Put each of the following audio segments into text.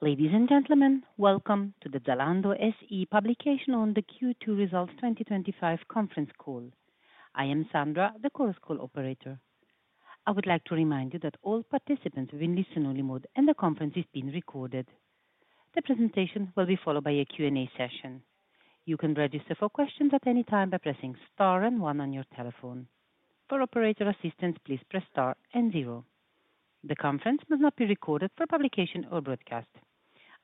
Ladies and gentlemen, Welcome to the Zalando SE publication on the Q2 results 2025 conference call. I am Sandra, the Chorus Call operator. I would like to remind you that all participants will be in listen-only mode, and the conference is being recorded. The presentation will be followed by a Q&A session. You can register for questions at any time by pressing star and one on your telephone. For operator assistance, please press star and zero. The conference must not be recorded for publication or broadcast.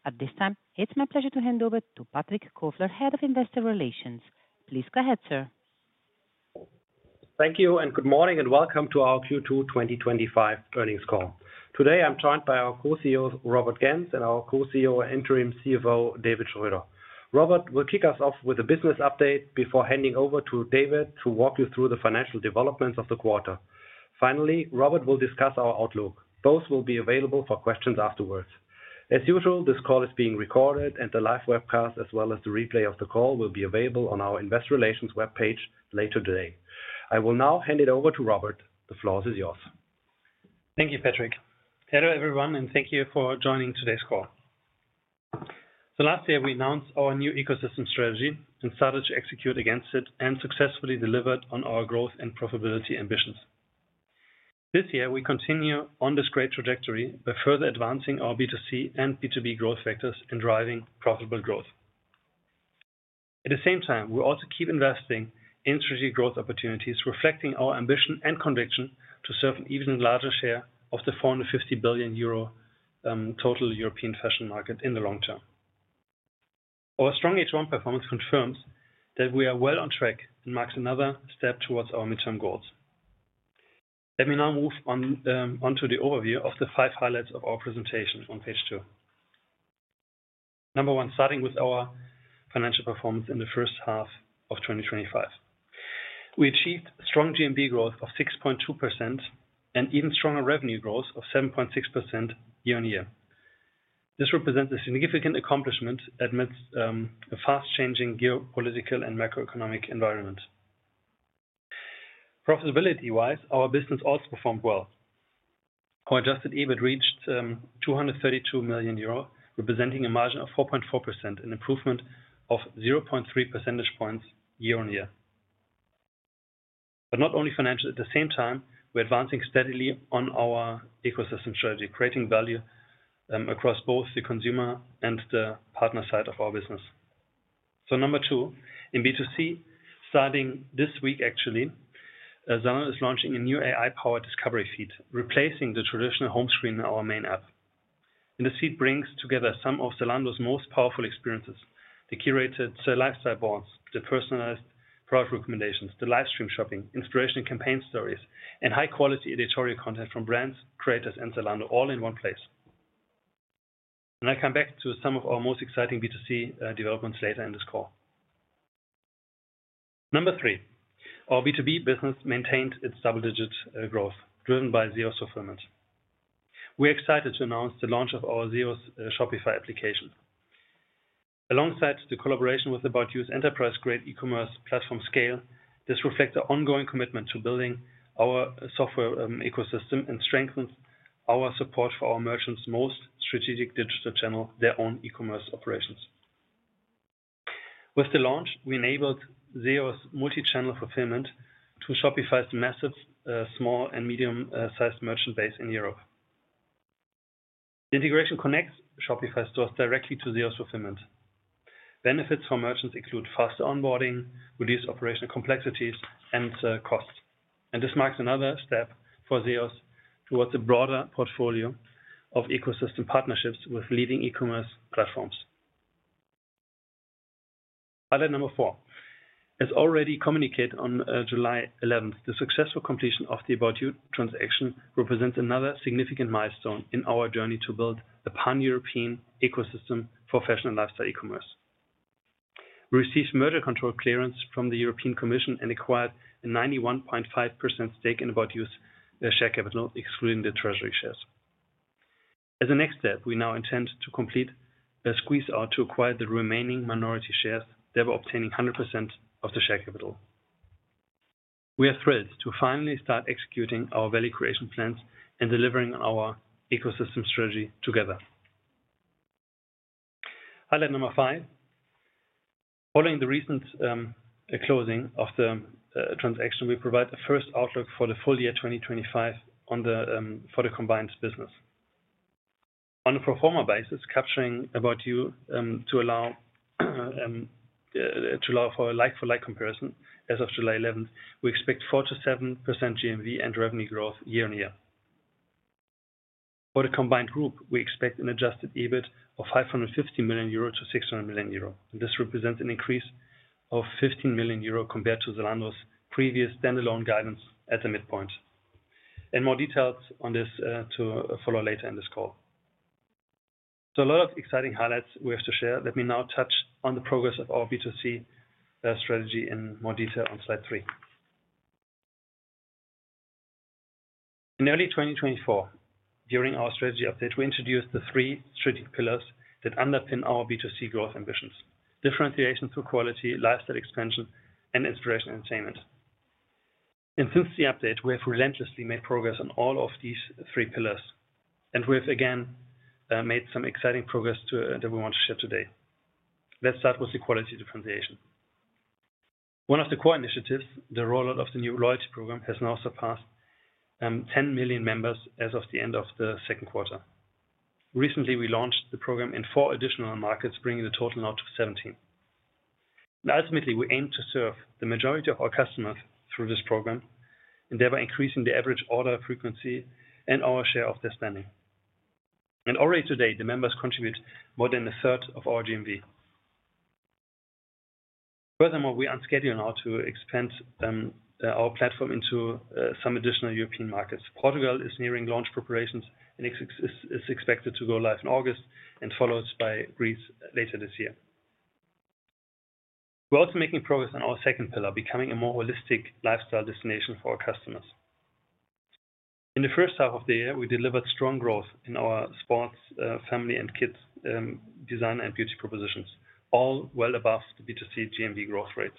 At this time, it's my pleasure to hand over to Patrick Kofler, Head of Investor Relations. Please go ahead, sir. Thank you, and good morning and Welcome to our Q2 2025 earnings call. Today, I'm joined by our Co-CEOs, Robert Gentz and our Co-CEO and Interim CFO, David Schröder. Robert will kick us off with a business update before handing over to David to walk you through the financial developments of the quarter. Finally, Robert will discuss our outlook. Both will be available for questions afterwards. As usual, this call is being recorded, and the live webcast, as well as the replay of the call, will be available on our Investor Relations webpage later today. I will now hand it over to Robert. The floor is yours. Thank you, Patrick. Hello everyone, and thank you for joining today's call. Last year, we announced our new ecosystem strategy and started to execute against it and successfully delivered on our growth and profitability ambitions. This year, we continue on this great trajectory by further advancing our B2C and B2B growth vectors and driving profitable growth. At the same time, we also keep investing in strategic growth opportunities, reflecting our ambition and conviction to serve an even larger share of the 450 billion euro total European fashion market in the long term. Our strong H1 performance confirms that we are well on track and marks another step towards our midterm goals. Let me now move on to the overview of the five highlights of our presentation on page two. Number one, starting with our financial performance in the first half of 2025. We achieved strong GMV growth of 6.2% and even stronger revenue growth of 7.6% year-on-year. This represents a significant accomplishment amidst a fast-changing geopolitical and macroeconomic environment. Profitability-wise, our business also performed well. Our adjusted EBIT reached 232 million euro, representing a margin of 4.4%, an improvement of 0.3 percentage points year-on-year. Not only financial, at the same time, we're advancing steadily on our ecosystem strategy, creating value across both the consumer and the partner side of our business. Number two, in B2C, starting this week, actually, Zalando is launching a new AI-powered discovery feed, replacing the traditional home screen in our main app. This feed brings together some of Zalando's most powerful experiences: the curated lifestyle boards, the personalized product recommendations, the livestream shopping, inspirational campaign stories, and high-quality editorial content from brands, creators, and Zalando, all in one place. I'll come back to some of our most exciting B2C developments later in this call. Number three, our B2B business maintains its double-digit growth, driven by ZEOS Fulfillment. We're excited to announce the launch of our ZEOS Shopify application. Alongside the collaboration with the boutique enterprise-grade ecommerce platform Scale, this reflects our ongoing commitment to building our software ecosystem and strengthens our support for our merchants' most strategic digital channel, their own ecommerce operations. With the launch, we enabled ZEOS multi-channel fulfillment to Shopify's massive small and medium-sized merchant base in Europe. The integration connects Shopify stores directly to ZEOS Fulfillment. Benefits for merchants include faster onboarding, reduced operational complexities, and costs. This marks another step for ZEOS towards a broader portfolio of ecosystem partnerships with leading ecommerce platforms. Highlight number four. As already communicated on July 11th, the successful completion of About You transaction represents another significant milestone in our journey to build a pan-European ecosystem for fashion and lifestyle eCommerce. We received merger control clearance from the European Commission and acquired a 91.5% stake About You's share capital, excluding the treasury shares. As a next step, we now intend to complete a squeeze-out to acquire the remaining minority shares, thereby obtaining 100% of the share capital. We are thrilled to finally start executing our value creation plans and delivering on our ecosystem strategy together. Highlight number five. Following the recent closing of the transaction, we provide a first outlook for the full year 2025 for the combined business. On a pro forma basis, About You to allow for a like-for-like comparison as of July 11th, we expect 4%-7% GMV and revenue growth year-on-year. For the combined group, we expect an adjusted EBIT of 550 million euro to 600 million euro. This represents an increase of 15 million euro compared to Zalando's previous standalone guidance at the midpoint. More details on this to follow later in this call. A lot of exciting highlights we have to share. Let me now touch on the progress of our B2C strategy in more detail on slide three. In early 2024, during our strategy update, we introduced the three strategic pillars that underpin our B2C growth ambitions: differentiation through quality, lifestyle expansion, and inspiration and entertainment. Since the update, we have relentlessly made progress on all of these three pillars. We have again made some exciting progress that we want to share today. Let's start with the quality differentiation. One of the core initiatives, the rollout of the new loyalty program, has now surpassed 10 million members as of the end of the second quarter. Recently, we launched the program in four additional markets, bringing the total now to 17. Ultimately, we aim to serve the majority of our customers through this program, endeavoring to increase the average order frequency and our share of their spending. Already today, the members contribute more than a third of our GMV. Furthermore, we are on schedule now to expand our platform into some additional European markets. Portugal is nearing launch preparations and is expected to go live in August, followed by Greece later this year. We're also making progress on our second pillar, becoming a more holistic lifestyle destination for our customers. In the first half of the year, we delivered strong growth in our sports, family, and kids' design and beauty propositions, all well above the B2C GMV growth rates.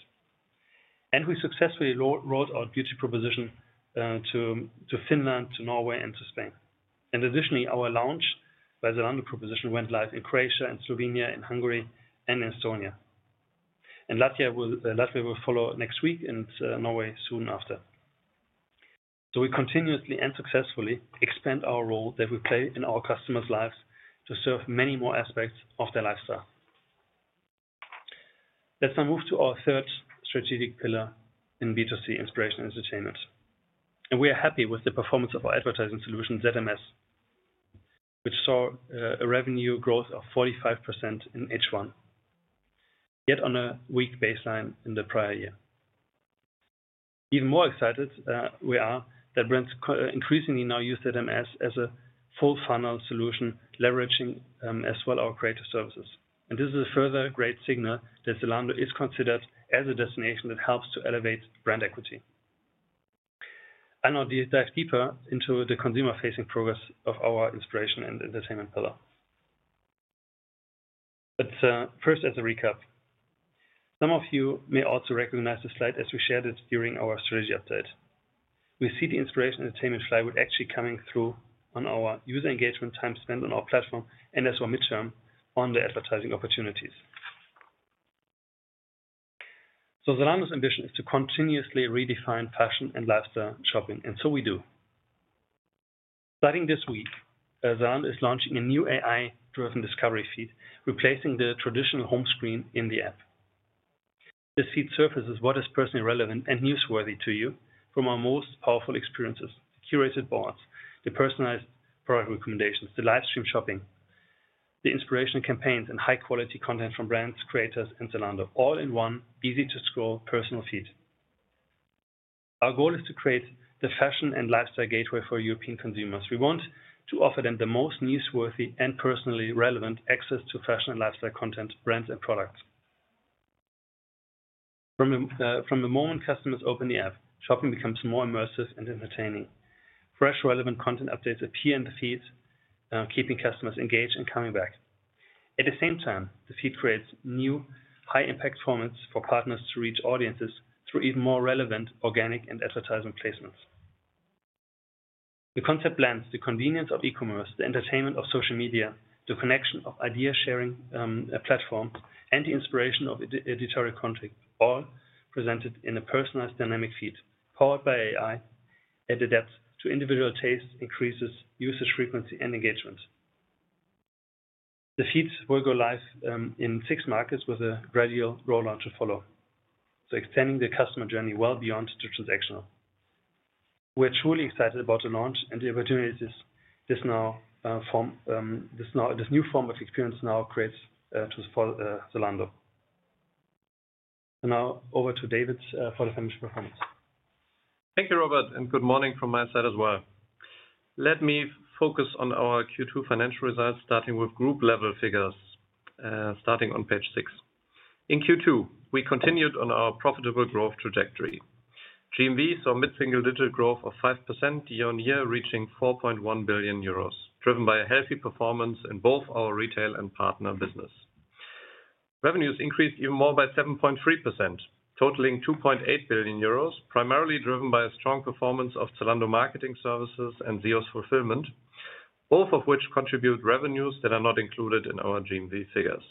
We successfully rolled out beauty propositions to Finland, to Norway, and to Spain. Additionally, our launch by Zalando proposition went live in Croatia and Slovenia, in Hungary, and in Estonia. Latvia will follow next week and Norway soon after. We continuously and successfully expand our role that we play in our customers' lives to serve many more aspects of their lifestyle. Let's now move to our third strategic pillar in B2C, inspiration and entertainment. We are happy with the performance of our advertising solution, ZMS, which saw a revenue growth of 45% in H1, yet on a weak baseline in the prior year. Even more excited, we are that brands increasingly now use ZMS as a full funnel solution, leveraging as well our creative services. This is a further great signal that Zalando is considered as a destination that helps to elevate brand equity. I'll now dive deeper into the consumer-facing progress of our inspiration and entertainment pillar. First, as a recap, some of you may also recognize the slide as we shared it during our strategy update. We see the inspiration entertainment slide with actually coming through on our user engagement time spent on our platform and as well midterm on the advertising opportunities. Zalando's ambition is to continuously redefine passion and lifestyle shopping, and so we do. Starting this week, Zalando is launching a new AI-powered discovery feed, replacing the traditional home screen in the app. This feed surfaces what is personally relevant and newsworthy to you from our most powerful experiences: the curated boards, the personalized product recommendations, the livestream shopping, the inspirational campaigns, and high-quality content from brands, creators, and Zalando, all in one easy-to-scroll personal feed. Our goal is to create the fashion and lifestyle gateway for European consumers. We want to offer them the most newsworthy and personally relevant access to fashion and lifestyle content, brands, and products. From the moment customers open the app, shopping becomes more immersive and entertaining. Fresh, relevant content updates appear in the feed, keeping customers engaged and coming back. At the same time, the feed creates new high-impact formats for partners to reach audiences through even more relevant organic and advertisement placements. The concept blends the convenience of ecommerce, the entertainment of social media, the connection of idea sharing platform, and the inspiration of editorial content, all presented in a personalized, dynamic feed powered by AI. At the depth to individual tastes, increases usage frequency, and engagement. The feeds will go live in six markets with a gradual rollout to follow, extending the customer journey well beyond the transactional. We are truly excited about the launch and the opportunities this new form of experience now creates to Zalando. Now over to David for the financial performance. Thank you, Robert, and good morning from my side as well. Let me focus on our Q2 financial results, starting with group-level figures, starting on page six. In Q2, we continued on our profitable growth trajectory. GMV saw mid-single-digit growth of 5% year-on-year, reaching 4.1 billion euros, driven by a healthy performance in both our retail and partner business. Revenues increased even more by 7.3%, totaling 2.8 billion euros, primarily driven by a strong performance of Zalando Marketing Services and ZEOS Fulfillment, both of which contribute revenues that are not included in our GMV figures.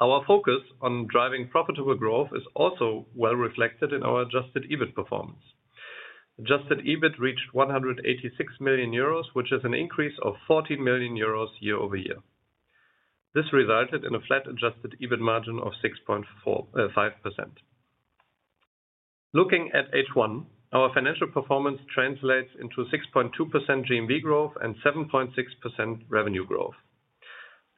Our focus on driving profitable growth is also well reflected in our adjusted EBIT performance. Adjusted EBIT reached 186 million euros, which is an increase of 14 million euros year-over-year. This resulted in a flat adjusted EBIT margin of 6.5%. Looking at H1, our financial performance translates into 6.2% GMV growth and 7.6% revenue growth.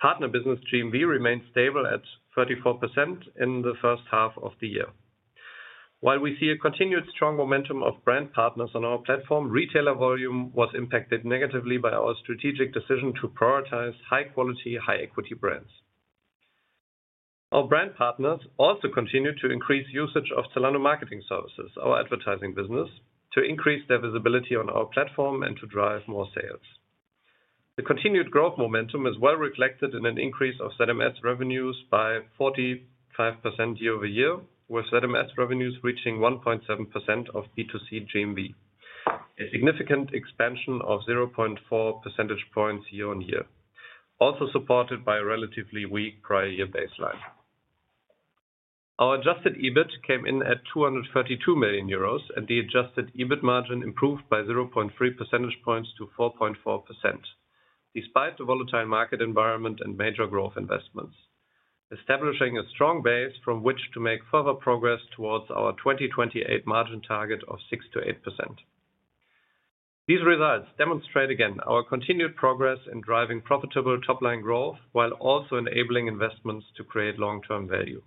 Partner business GMV remained stable at 34% in the first half of the year. While we see a continued strong momentum of brand partners on our platform, retailer volume was impacted negatively by our strategic decision to prioritize high-quality, high-equity brands. Our brand partners also continued to increase usage of Zalando Marketing Services, our advertising business, to increase their visibility on our platform and to drive more sales. The continued growth momentum is well reflected in an increase of ZMS revenues by 45% year-over-year, with ZMS revenues reaching 1.7% of B2C GMV, a significant expansion of 0.4 percentage points year-on-year, also supported by a relatively weak prior year baseline. Our adjusted EBIT came in at 232 million euros, and the adjusted EBIT margin improved by 0.3 percentage points to 4.4%, despite the volatile market environment and major growth investments, establishing a strong base from which to make further progress towards our 2028 margin target of 6%-8%. These results demonstrate again our continued progress in driving profitable top-line growth while also enabling investments to create long-term value.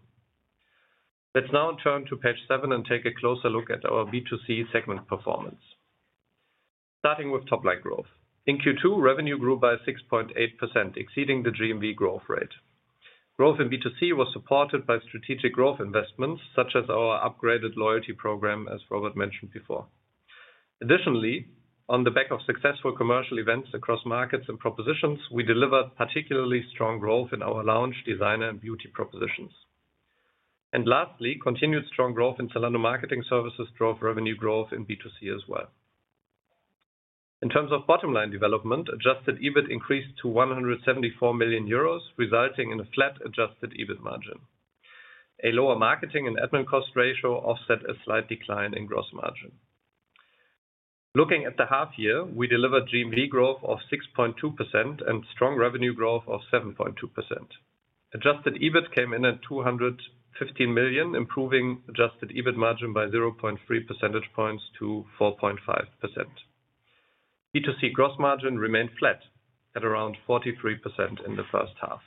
Let's now turn to page seven and take a closer look at our B2C segment performance. Starting with top-line growth. In Q2, revenue grew by 6.8%, exceeding the GMV growth rate. Growth in B2C was supported by strategic growth investments such as our upgraded loyalty program, as Robert mentioned before. Additionally, on the back of successful commercial events across markets and propositions, we delivered particularly strong growth in our Lounge, Designer, and Beauty propositions. Lastly, continued strong growth in Zalando Marketing Services drove revenue growth in B2C as well. In terms of bottom-line development, adjusted EBIT increased to 174 million euros, resulting in a flat adjusted EBIT margin. A lower marketing and admin cost ratio offset a slight decline in gross margin. Looking at the half year, we delivered GMV growth of 6.2% and strong revenue growth of 7.2%. Adjusted EBIT came in at 215 million, improving adjusted EBIT margin by 0.3 percentage points to 4.5%. B2C gross margin remained flat at around 43% in the first half.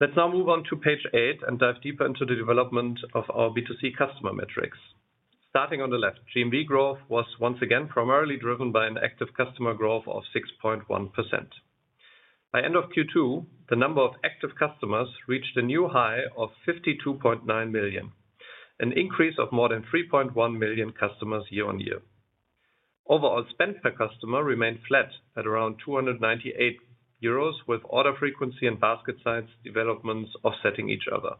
Let's now move on to page eight and dive deeper into the development of our B2C customer metrics. Starting on the left, GMV growth was once again primarily driven by an active customer growth of 6.1%. By end of Q2, the number of active customers reached a new high of 52.9 million, an increase of more than 3.1 million customers year-on-year. Overall spend per customer remained flat at around 298 euros, with order frequency and basket size developments offsetting each other.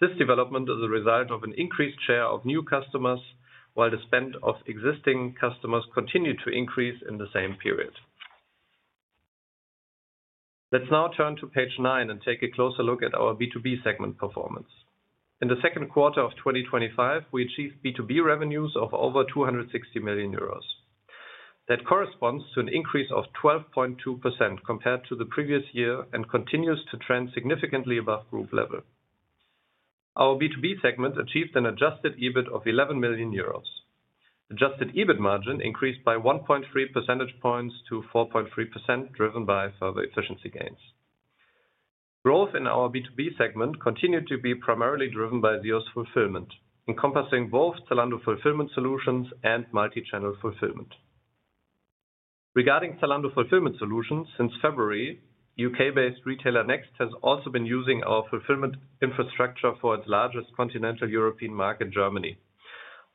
This development is a result of an increased share of new customers, while the spend of existing customers continued to increase in the same period. Let's now turn to page nine and take a closer look at our B2B segment performance. In the second quarter of 2025, we achieved B2B revenues of over 260 million euros. That corresponds to an increase of 12.2% compared to the previous year and continues to trend significantly above group level. Our B2B segment achieved an adjusted EBIT of 11 million euros. The adjusted EBIT margin increased by 1.3 percentage points to 4.3%, driven by further efficiency gains. Growth in our B2B segment continued to be primarily driven by ZEOS Fulfillment, encompassing both Zalando Fulfillment Solutions and multi-channel fulfillment. Regarding Zalando Fulfillment Solutions, since February, U.K.-based retailer Next has also been using our fulfillment infrastructure for its largest continental European market, Germany,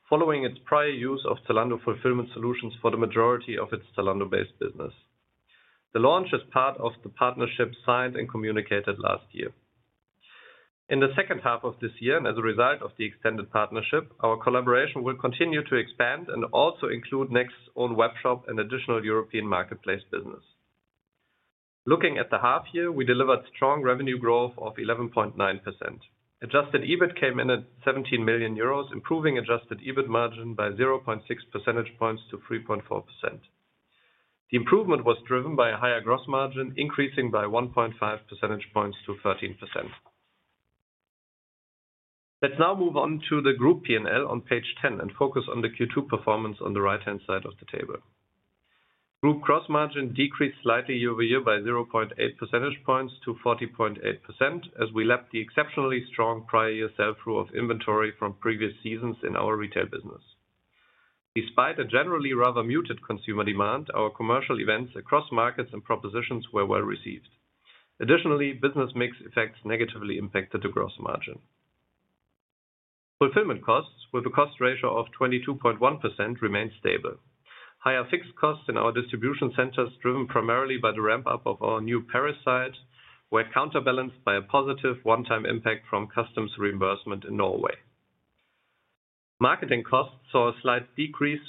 following its prior use of Zalando Fulfillment Solutions for the majority of its Zalando-based business. The launch is part of the partnership signed and communicated last year. In the second half of this year, and as a result of the extended partnership, our collaboration will continue to expand and also include Next's own webshop and additional European marketplace business. Looking at the half year, we delivered strong revenue growth of 11.9%. Adjusted EBIT came in at 17 million euros, improving adjusted EBIT margin by 0.6 percentage points to 3.4%. The improvement was driven by a higher gross margin, increasing by 1.5 percentage points to 13%. Let's now move on to the group P&L on page 10 and focus on the Q2 performance on the right-hand side of the table. Group gross margin decreased slightly year over year by 0.8 percentage points to 40.8%, as we lapped the exceptionally strong prior year sell-through of inventory from previous seasons in our retail business. Despite a generally rather muted consumer demand, our commercial events across markets and propositions were well received. Additionally, business mix effects negatively impacted the gross margin. Fulfillment costs, with a cost ratio of 22.1%, remained stable. Higher fixed costs in our distribution centers, driven primarily by the ramp-up of our new Paris site, were counterbalanced by a positive one-time impact from customs reimbursement in Norway. Marketing costs saw a slight decrease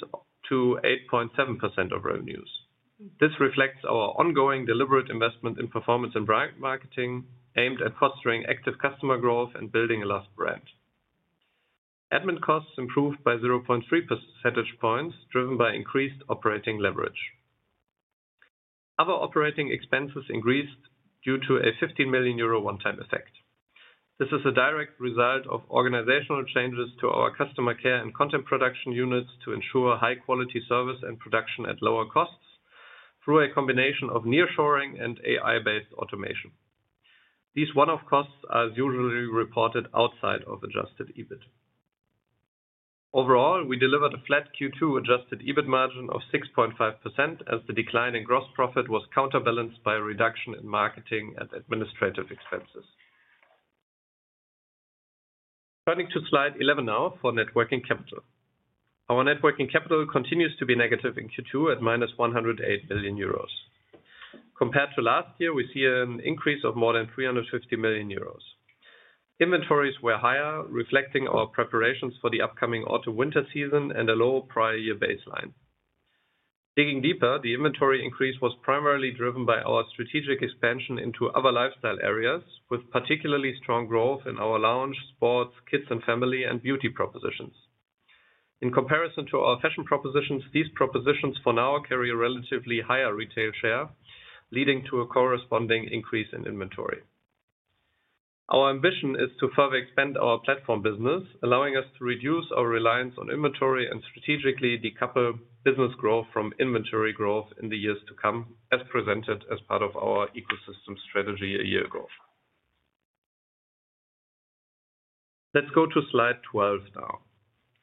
to 8.7% of revenues. This reflects our ongoing deliberate investment in performance and brand marketing, aimed at fostering active customer growth and building a lust brand. Admin costs improved by 0.3 percentage points, driven by increased operating leverage. Other operating expenses increased due to a 15 million euro one-time effect. This is a direct result of organizational changes to our customer care and content production units to ensure high-quality service and production at lower costs through a combination of nearshoring and AI-based automation. These one-off costs are as usually reported outside of adjusted EBIT. Overall, we delivered a flat Q2 adjusted EBIT margin of 6.5%, as the decline in gross profit was counterbalanced by a reduction in marketing and administrative expenses. Turning to slide 11 now for Net Working Capital. Our Net Working Capital continues to be negative in Q2 at -108 million euros. Compared to last year, we see an increase of more than 350 million euros. Inventories were higher, reflecting our preparations for the upcoming autumn-winter season and a low prior year baseline. Digging deeper, the inventory increase was primarily driven by our strategic expansion into other lifestyle areas, with particularly strong growth in our lounge, sports, kids and family, and beauty propositions. In comparison to our fashion propositions, these propositions for now carry a relatively higher retail share, leading to a corresponding increase in inventory. Our ambition is to further expand our platform business, allowing us to reduce our reliance on inventory and strategically decouple business growth from inventory growth in the years to come, as presented as part of our ecosystem strategy a year ago. Let's go to slide 12 now.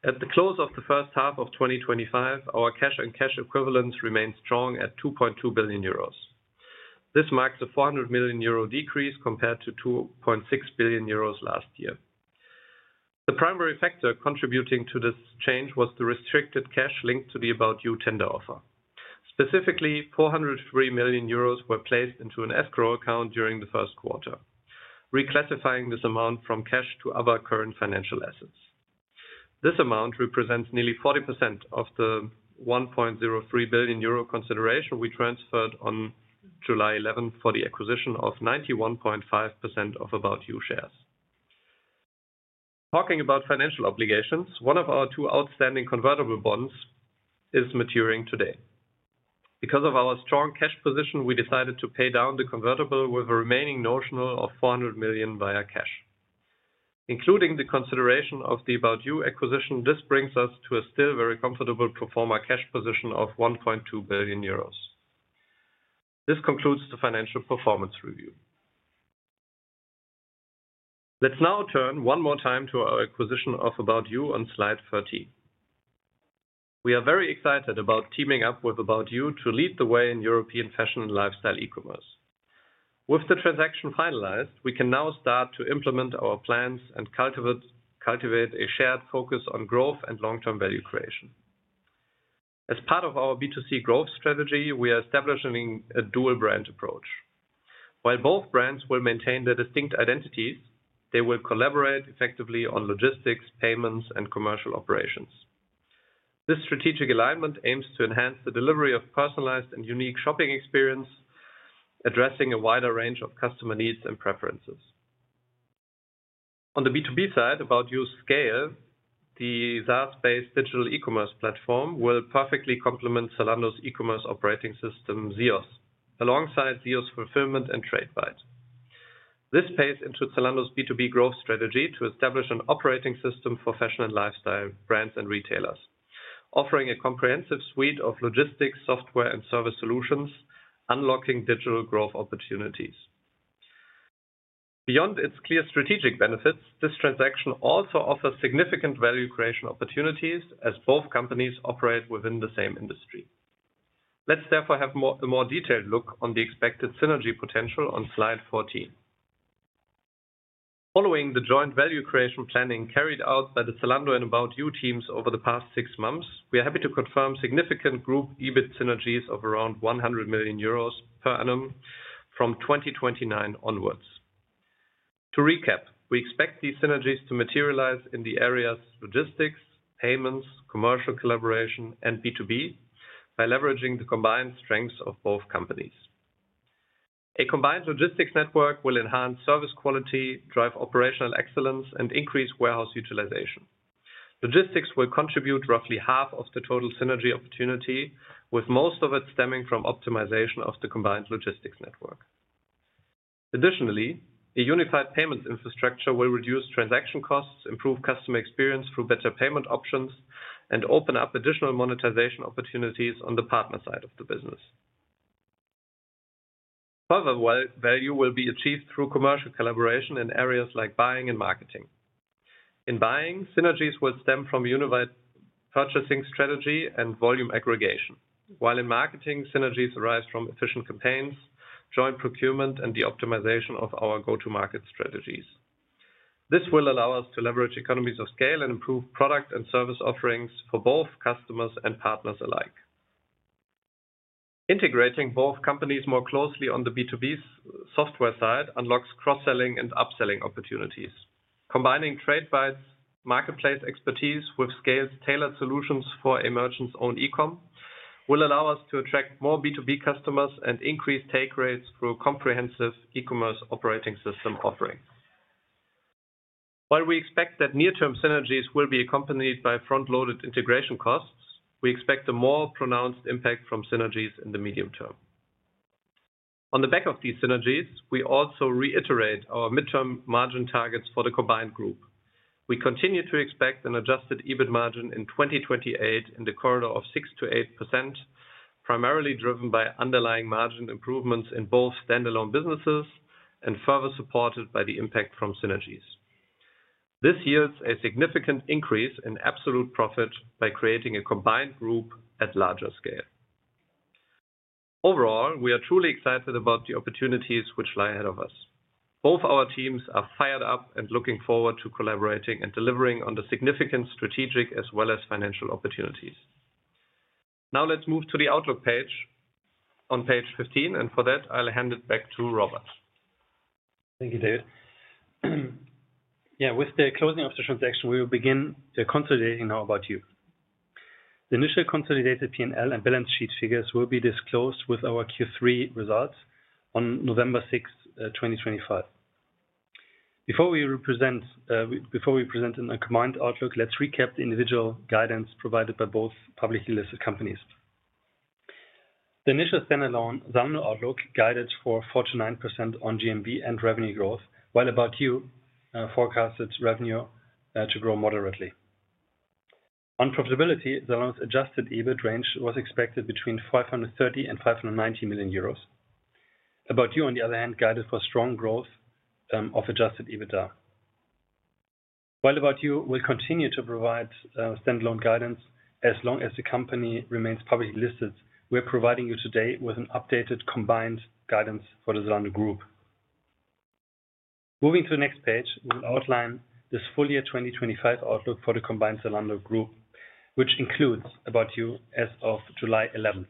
At the close of the first half of 2025, our cash and cash equivalents remained strong at 2.2 billion euros. This marks a 400 million euro decrease compared to 2.6 billion euros last year. The primary factor contributing to this change was the restricted cash linked to About You tender offer. Specifically, 403 million euros were placed into an escrow account during the first quarter, reclassifying this amount from cash to other current financial assets. This amount represents nearly 40% of the 1.03 billion euro consideration we transferred on July 11th for the acquisition of 91.5% About You shares. Talking about financial obligations, one of our two outstanding convertible bonds is maturing today. Because of our strong cash position, we decided to pay down the convertible with a remaining notional of 400 million via cash. Including the consideration of About You acquisition, this brings us to a still very comfortable pro forma cash position of 1.2 billion euros. This concludes the financial performance review. Let's now turn one more time to our acquisition About You on slide 13. We are very excited about teaming up About You to lead the way in European fashion and lifestyle ecommerce. With the transaction finalized, we can now start to implement our plans and cultivate a shared focus on growth and long-term value creation. As part of our B2C growth strategy, we are establishing a dual brand approach. While both brands will maintain their distinct identities, they will collaborate effectively on logistics, payments, and commercial operations. This strategic alignment aims to enhance the delivery of personalized and unique shopping experiences, addressing a wider range of customer needs and preferences. On the B2B About You's Scale, the SaaS-based digital eCommerce platform, will perfectly complement Zalando's E-commerce Operating System, ZEOS, alongside ZEOS Fulfillment and Tradebyte. This plays into Zalando's B2B growth strategy to establish an operating system for fashion and lifestyle brands and retailers, offering a comprehensive suite of logistics, software, and service solutions, unlocking digital growth opportunities. Beyond its clear strategic benefits, this transaction also offers significant value creation opportunities as both companies operate within the same industry. Let's therefore have a more detailed look at the expected synergy potential on slide 14. Following the joint value creation planning carried out by the Zalando About You teams over the past six months, we are happy to confirm significant group EBIT synergies of around 100 million euros per annum from 2029 onwards. To recap, we expect these synergies to materialize in the areas of logistics, payments, commercial collaboration, and B2B by leveraging the combined strengths of both companies. A combined logistics network will enhance service quality, drive operational excellence, and increase warehouse utilization. Logistics will contribute roughly half of the total synergy opportunity, with most of it stemming from optimization of the combined logistics network. Additionally, a unified payments infrastructure will reduce transaction costs, improve customer experience through better payment options, and open up additional monetization opportunities on the partner side of the business. Further value will be achieved through commercial collaboration in areas like buying and marketing. In buying, synergies will stem from unified purchasing strategy and volume aggregation, while in marketing, synergies arise from efficient campaigns, joint procurement, and the optimization of our go-to-market strategies. This will allow us to leverage economies of Scale and improve product and service offerings for both customers and partners alike. Integrating both companies more closely on the B2B software side unlocks cross-selling and upselling opportunities. Combining Tradebyte's marketplace expertise with Scaled tailored solutions for a merchant's own ecomm will allow us to attract more B2B customers and increase take rates through comprehenive ecommerce operating system offerings. While we expect that near-term synergies will be accompanied by front-loaded integration costs, we expect a more pronounced impact from synergies in the medium term. On the back of these synergies, we also reiterate our midterm margin targets for the combined group. We continue to expect an adjusted EBIT margin in 2028 in the corridor of 6%-8%, primarily driven by underlying margin improvements in both standalone businesses and further supported by the impact from synergies. This yields a significant increase in absolute profit by creating a combined group at larger scale. Overall, we are truly excited about the opportunities which lie ahead of us. Both our teams are fired up and looking forward to collaborating and delivering on the significant strategic as well as financial opportunities. Now let's move to the outlook page on page 15, and for that, I'll hand it back to Robert. Thank you, David. Yeah, with the closing of the transaction, we will begin consolidating About You. the initial consolidated P&L and balance sheet figures will be disclosed with our Q3 results on November 6th, 2025. Before we present a combined outlook, let's recap the individual guidance provided by both publicly listed companies. The initial standalone Zalando outlook guided for 4%-9% on GMV and revenue growth, About You forecasted revenue to grow moderately. On profitability, Zalando's adjusted EBIT range was expected between 530 million and 590 About You, on the other hand, guided for strong growth of adjusted EBITDA. About You will continue to provide standalone guidance as long as the company remains publicly listed, we're providing you today with an updated combined guidance for the Zalando group. Moving to the next page, we will outline this full year 2025 outlook for the combined Zalando group, which About You as of July 11th.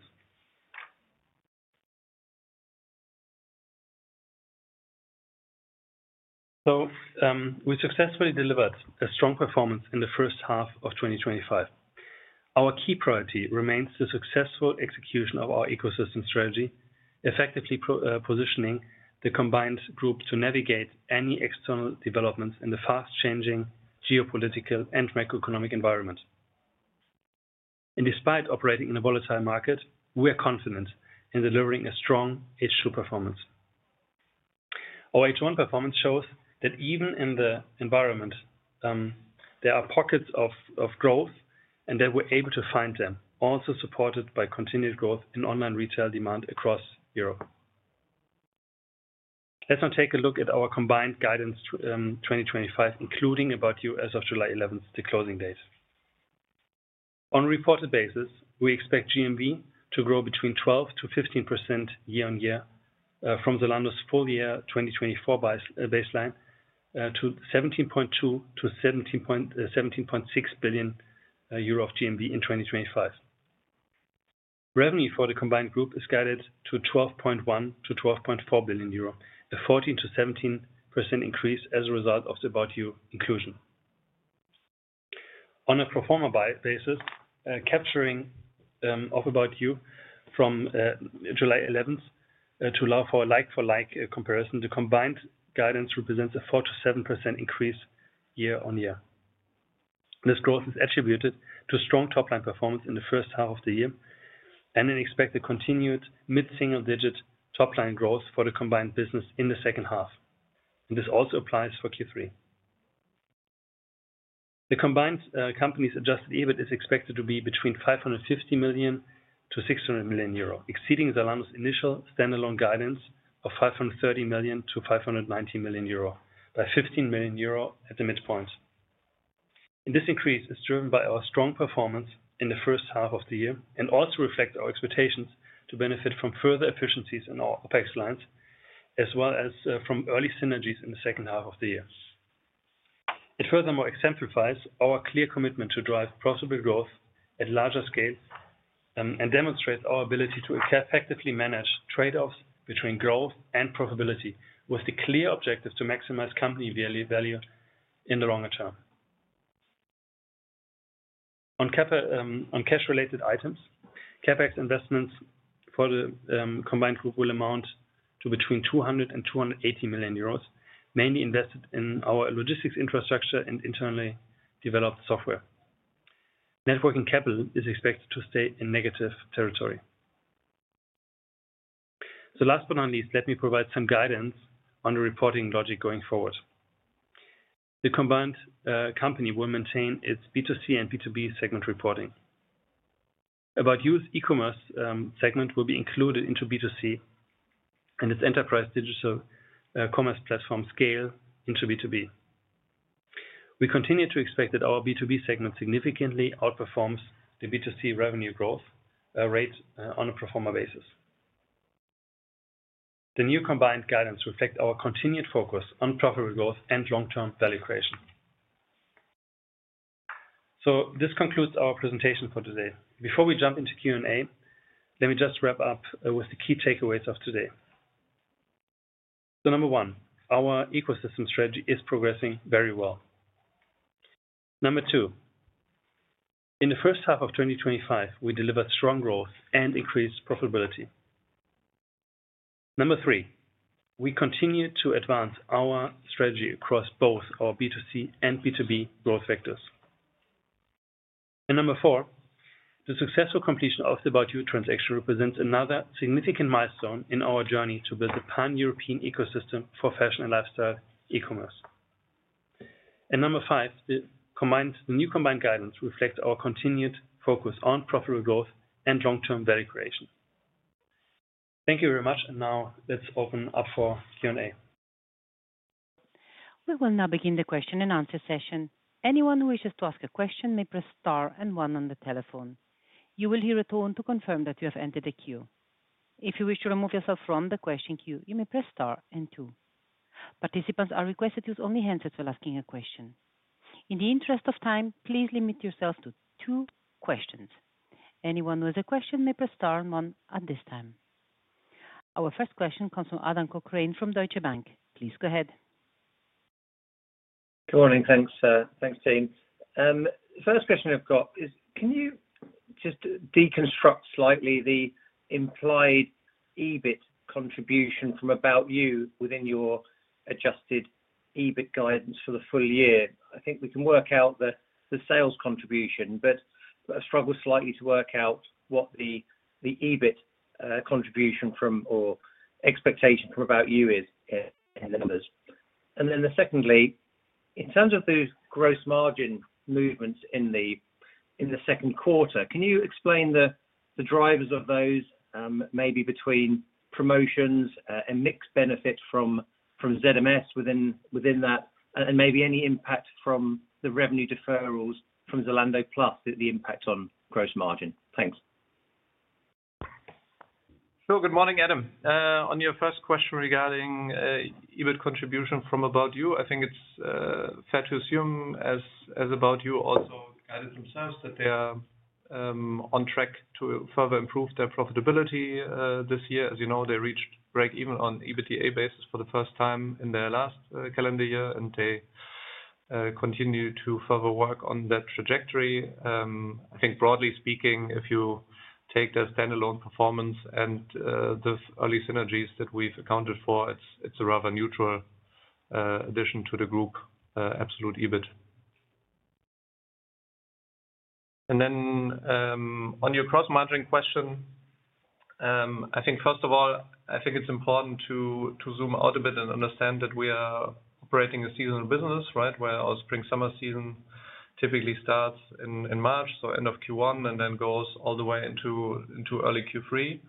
We successfully delivered a strong performance in the first half of 2025. Our key priority remains the successful execution of our ecosystem strategy, effectively positioning the combined group to navigate any external developments in the fast-changing geopolitical and macroeconomic environment. Despite operating in a volatile market, we are confident in delivering a strong H2 performance. Our H1 performance shows that even in the environment, there are pockets of growth and that we're able to find them, also supported by continued growth in online retail demand across Europe. Let's now take a look at our combined guidance for 2025, About You as of July 11th, the closing date. On a reported basis, we expect GMV to grow between 12-15% year-on-year from Zalando's full year 2024 baseline to 17.2 billion to 17.6 billion euro of GMV in 2025. Revenue for the combined group is guided to 12.1 billion to 12.4 billion euro, a 14%-17% increase as a result of About You inclusion. On a pro forma basis, About You from July 11th to allow for a like-for-like comparison, the combined guidance represents a 4%-7% increase year-on-year. This growth is attributed to strong top-line performance in the first half of the year and an expected continued mid-single-digit top-line growth for the combined business in the second half. This also applies for Q3. The combined company's adjusted EBIT is expected to be between 550 million-600 million euro, exceeding Zalando's initial standalone guidance of 530 million-590 million euro by 15 million euro at the midpoint. This increase is driven by our strong performance in the first half of the year and also reflects our expectations to benefit from further efficiencies in our OpEx lines, as well as from early synergies in the second half of the year. It furthermore exemplifies our clear commitment to drive profitable growth at larger scales and demonstrates our ability to effectively manage trade-offs between growth and profitability, with the clear objective to maximize company value in the longer term. On cash-related items, CapEx investments for the combined group will amount to between 200 million euros and 280 million euros, mainly invested in our logistics infrastructure and internally developed software. Net working capital is expected to stay in negative territory. Last but not least, let me provide some guidance on the reporting logic going forward. The combined company will maintain its B2C and B2B segment About You's ecommerce segment will be included into B2C and its enterprise digital commerce platform Scale into B2B. We continue to expect that our B2B segment significantly outperforms the B2C revenue growth rate on a pro forma basis. The new combined guidance reflects our continued focus on profitable growth and long-term value creation. This concludes our presentation for today. Before we jump into Q&A, let me just wrap up with the key takeaways of today. Number one, our ecosystem strategy is progressing very well. Number two, in the first half of 2025, we delivered strong growth and increased profitability. Number three, we continue to advance our strategy across both our B2C and B2B growth vectors. Number four, the successful completion of About You transaction represents another significant milestone in our journey to build a pan-European ecosystem for fashion and lifestyle ecommerce. Number five, the new combined guidance reflects our continued focus on profitable growth and long-term value creation. Thank you very much, and now let's open up for Q&A. We will now begin the question and answer session. Anyone who wishes to ask a question may press star and one on the telephone. You will hear a tone to confirm that you have entered a queue. If you wish to remove yourself from the question queue, you may press star and two. Participants are requested to use only hands as well as asking a question. In the interest of time, please limit yourselves to two questions. Anyone who has a question may press star and one at this time. Our first question comes from Adam Cochrane from Deutsche Bank. Please go ahead. Good morning. Thanks, thanks James. The first question I've got is, can you just deconstruct slightly the implied EBIT contribution About You within your adjusted EBIT guidance for the full year? I think we can work out the sales contribution, but I struggle slightly to work out what the EBIT contribution from or expectation About You is in the numbers. Secondly, in terms of those gross margin movements in the second quarter, can you explain the drivers of those, maybe between promotions and mixed benefits from ZMS within that, and maybe any impact from the revenue deferrals from Zalando Plus, the impact on gross margin? Thanks. Good morning, Adam. On your first question regarding EBIT contribution About You, i think it's fair to assume About You also guided themselves that they are on track to further improve their profitability this year. As you know, they reached break even on EBITDA basis for the first time in their last calendar year, and they continue to further work on that trajectory. I think broadly speaking, if you take their standalone performance and the early synergies that we've accounted for, it's a rather neutral addition to the group absolute EBIT. On your gross margin question, I think first of all, it's important to zoom out a bit and understand that we are operating a seasonal business, where our spring-summer season typically starts in March, so end of Q1, and then goes all the way into early Q3.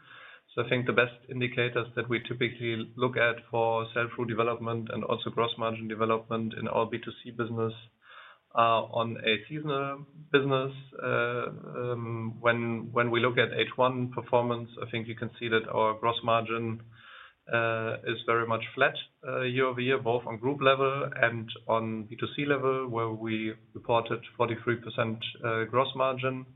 I think the best indicators that we typically look at for sell-through development and also gross margin development in our B2C business are on a seasonal business. When we look at H1 performance, you can see that our gross margin is very much flat year over year, both on group level and on B2C level, where we reported 43% gross margin.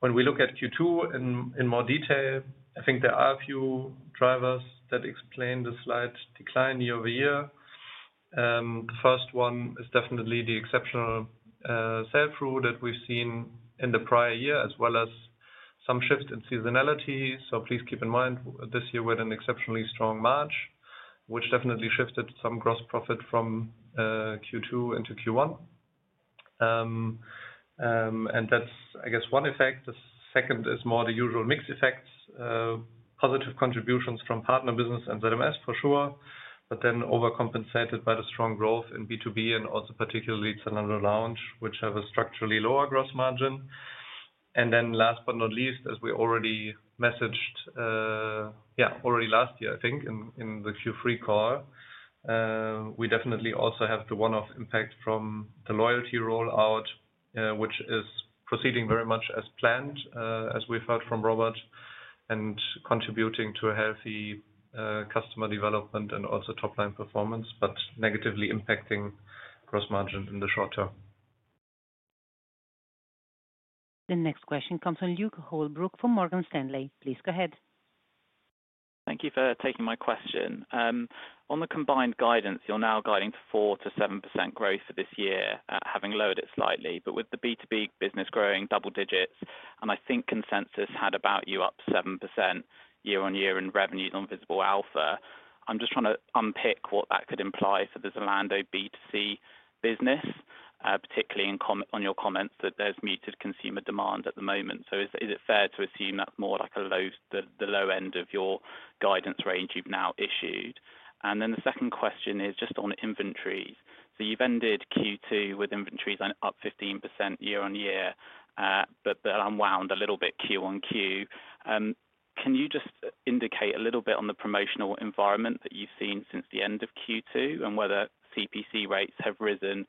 When we look at Q2 in more detail, there are a few drivers that explain the slight decline year over year. The first one is definitely the exceptional sell-through that we've seen in the prior year, as well as some shift in seasonality. Please keep in mind this year we had an exceptionally strong March, which definitely shifted some gross profit from Q2 into Q1, and that's one effect. The second is more the usual mix effects, positive contributions from partner business and ZMS for sure, but then overcompensated by the strong growth in B2B and also particularly Zalando Lounge, which have a structurally lower gross margin. Last but not least, as we already messaged last year, I think, in the Q3 call, we definitely also have the one-off impact from the loyalty rollout, which is proceeding very much as planned, as we've heard from Robert, and contributing to a healthy customer development and also top-line performance, but negatively impacting gross margin in the short term. The next question comes from Luke Holbrook from Morgan Stanley. Please go ahead. Thank you for taking my question. On the combined guidance, you're now guiding for 4%-7% growth for this year, having lowered it slightly, but with the B2B business growing double digits, and I think consensus About You up 7% year-on-year in revenues on Visible Alpha. I'm just trying to unpick what that could imply for the Zalando B2C business, particularly on your comments that there's muted consumer demand at the moment. Is it fair to assume that's more like the low end of your guidance range you've now issued? The second question is just on inventories. You've ended Q2 with inventories up 15% year on year, but I'm wound a little bit Q on Q. Can you just indicate a little bit on the promotional environment that you've seen since the end of Q2 and whether CPC rates have risen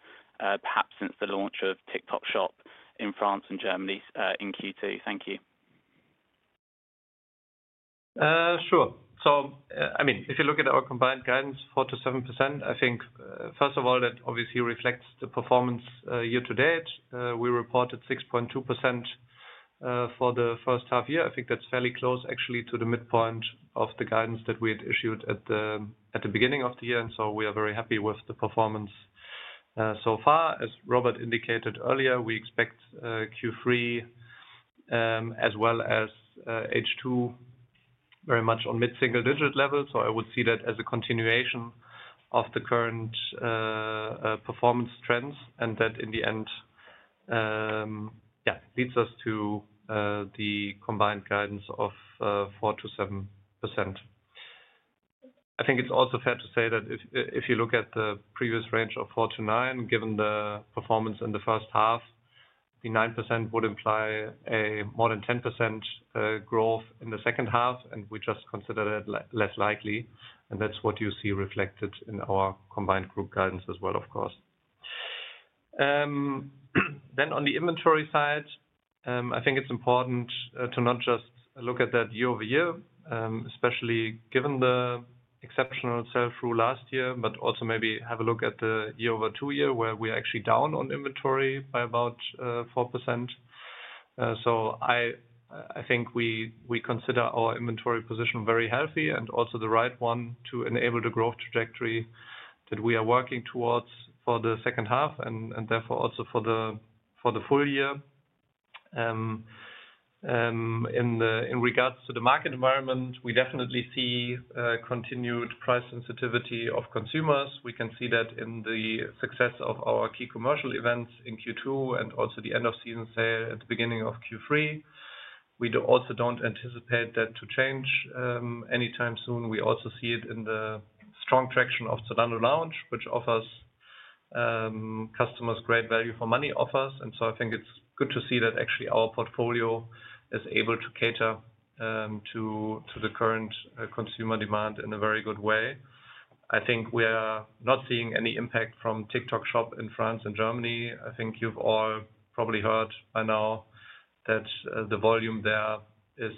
perhaps since the launch of TikTok Shop in France and Germany in Q2? Thank you. Sure. If you look at our combined guidance, 4%-7%, I think first of all, that obviously reflects the performance year to date. We reported 6.2% for the first half year. I think that's fairly close actually to the midpoint of the guidance that we had issued at the beginning of the year. We are very happy with the performance so far. As Robert indicated earlier, we expect Q3 as well as H2 very much on mid-single-digit level. I would see that as a continuation of the current performance trends and that in the end, yeah, leads us to the combined guidance of 4%-7%. I think it's also fair to say that if you look at the previous range of 4-9, given the performance in the first half, the 9% would imply a more than 10% growth in the second half, and we just consider that less likely. That's what you see reflected in our combined group guidance as well, of course. On the inventory side, I think it's important to not just look at that year over year, especially given the exceptional sale-through last year, but also maybe have a look at the year over two year where we are actually down on inventory by about 4%. I think we consider our inventory position very healthy and also the right one to enable the growth trajectory that we are working towards for the second half and therefore also for the full year. In regards to the market environment, we definitely see continued price sensitivity of consumers. We can see that in the success of our key commercial events in Q2 and also the end-of-season sale at the beginning of Q3. We also don't anticipate that to change anytime soon. We also see it in the strong traction of Zalando Lounge, which offers customers great value-for-money offers. I think it's good to see that actually our portfolio is able to cater to the current consumer demand in a very good way. We are not seeing any impact from TikTok Shop in France and Germany. I think you've all probably heard by now that the volume there is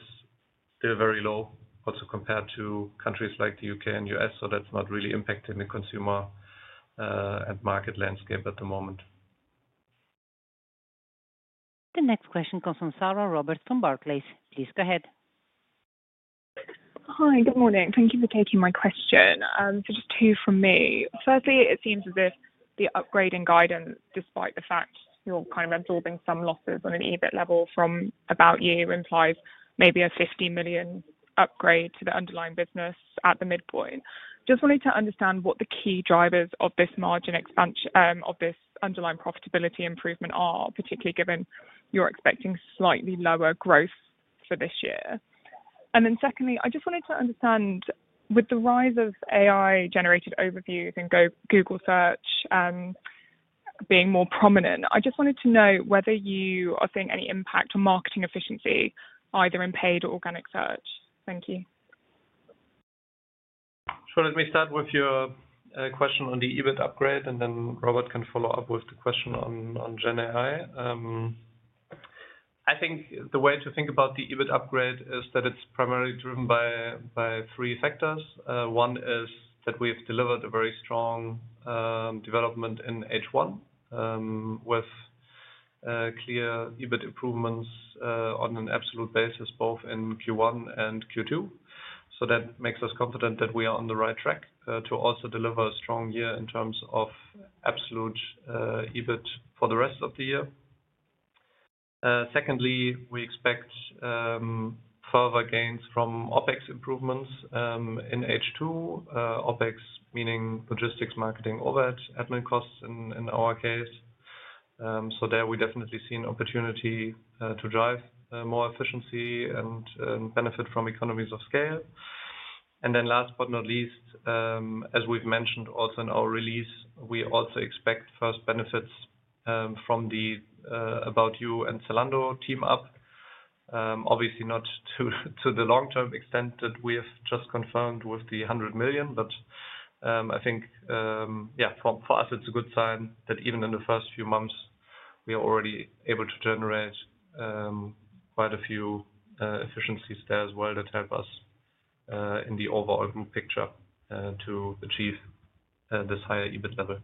still very low, also compared to countries like the U.K. and the U.S., That's not really impacting the consumer and market landscape at the moment. The next question comes from Sarah Roberts from Barclays. Please go ahead. Hi, good morning. Thank you for taking my question. Just two from me. Firstly, it seems as if the upgrade in guidance, despite the fact you're kind of absorbing some losses on an EBIT level About You, implies maybe a $50 million upgrade to the underlying business at the midpoint. I just wanted to understand what the key drivers of this margin expansion of this underlying profitability improvement are, particularly given you're expecting slightly lower growth for this year. Secondly, I just wanted to understand with the rise of AI-generated overviews and Google search being more prominent, I just wanted to know whether you are seeing any impact on marketing efficiency, either in paid or organic search. Thank you. Sure. Let me start with your question on the EBIT upgrade, and then Robert can follow up with the question on GenAI. I think the way to think about the EBIT upgrade is that it's primarily driven by three factors. One is that we've delivered a very strong development in H1 with clear EBIT improvements on an absolute basis, both in Q1 and Q2. That makes us confident that we are on the right track to also deliver a strong year in terms of absolute EBIT for the rest of the year. Secondly, we expect further gains from OpEx improvements in H2, OpEx meaning logistics, marketing, over, admin costs in our case. There we definitely see an opportunity to drive more efficiency and benefit from economies of Scale. Last but not least, as we've mentioned also in our release, we also expect first benefits from About You and Zalando team up. Obviously not to the long-term extent that we have just confirmed with the 100 million, but I think, yeah, for us it's a good sign that even in the first few months we are already able to generate quite a few efficiencies there as well that help us in the overall group picture to achieve this higher EBIT level.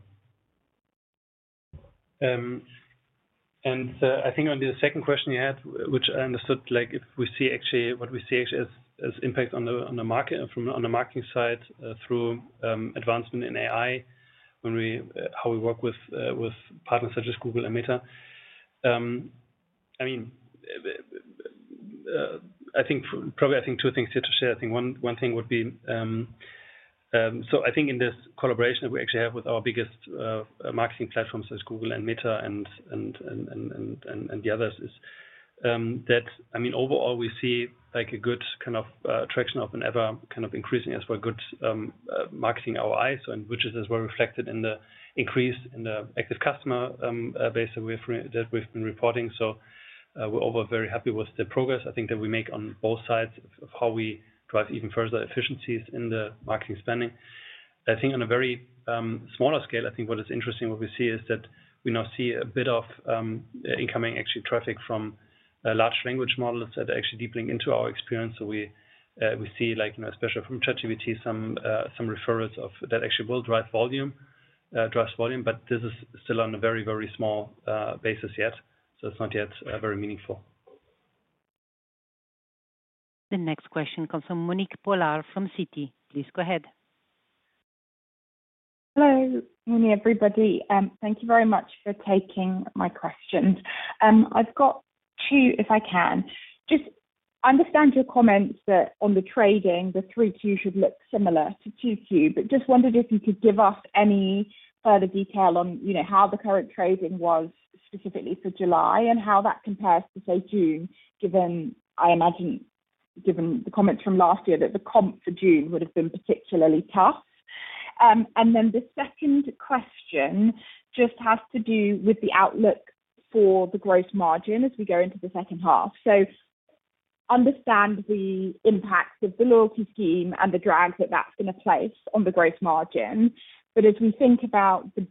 I think on the second question you had, which I understood, if we see actually what we see as impact on the market from the marketing side through advancement in AI, how we work with partners such as Google and Meta. I think probably two things here to share. One thing would be, in this collaboration that we actually have with our biggest marketing platforms as Google and Meta and the others, overall we see a good kind of traction up and ever increasing as for good marketing ROI, which is as well reflected in the increase in the active customer base that we've been reporting. We're very happy with the progress I think that we make on both sides of how we drive even further efficiencies in the marketing spending. On a very smaller scale, what is interesting, what we see is that we now see a bit of incoming actually traffic from large language models that are actually deepening into our experience. We see, especially from ChatGPT, some referrals that actually will drive volume, drive volume, but this is still on a very, very small basis yet. It's not yet very meaningful. The next question comes from Monique Pollard from Citi. Please go ahead. Hello, everybody. Thank you very much for taking my questions. I've got two, if I can. I just understand your comments that on the trading, the 3Q should look similar to 2Q, but I just wondered if you could give us any further detail on how the current trading was specifically for July and how that compares to, say, June, given, I imagine, given the comments from last year that the comp for June would have been particularly tough. The second question just has to do with the outlook for the gross margin as we go into the second half. I understand the impact of the loyalty scheme and the drag that that's going to place on the gross margin. As we think about the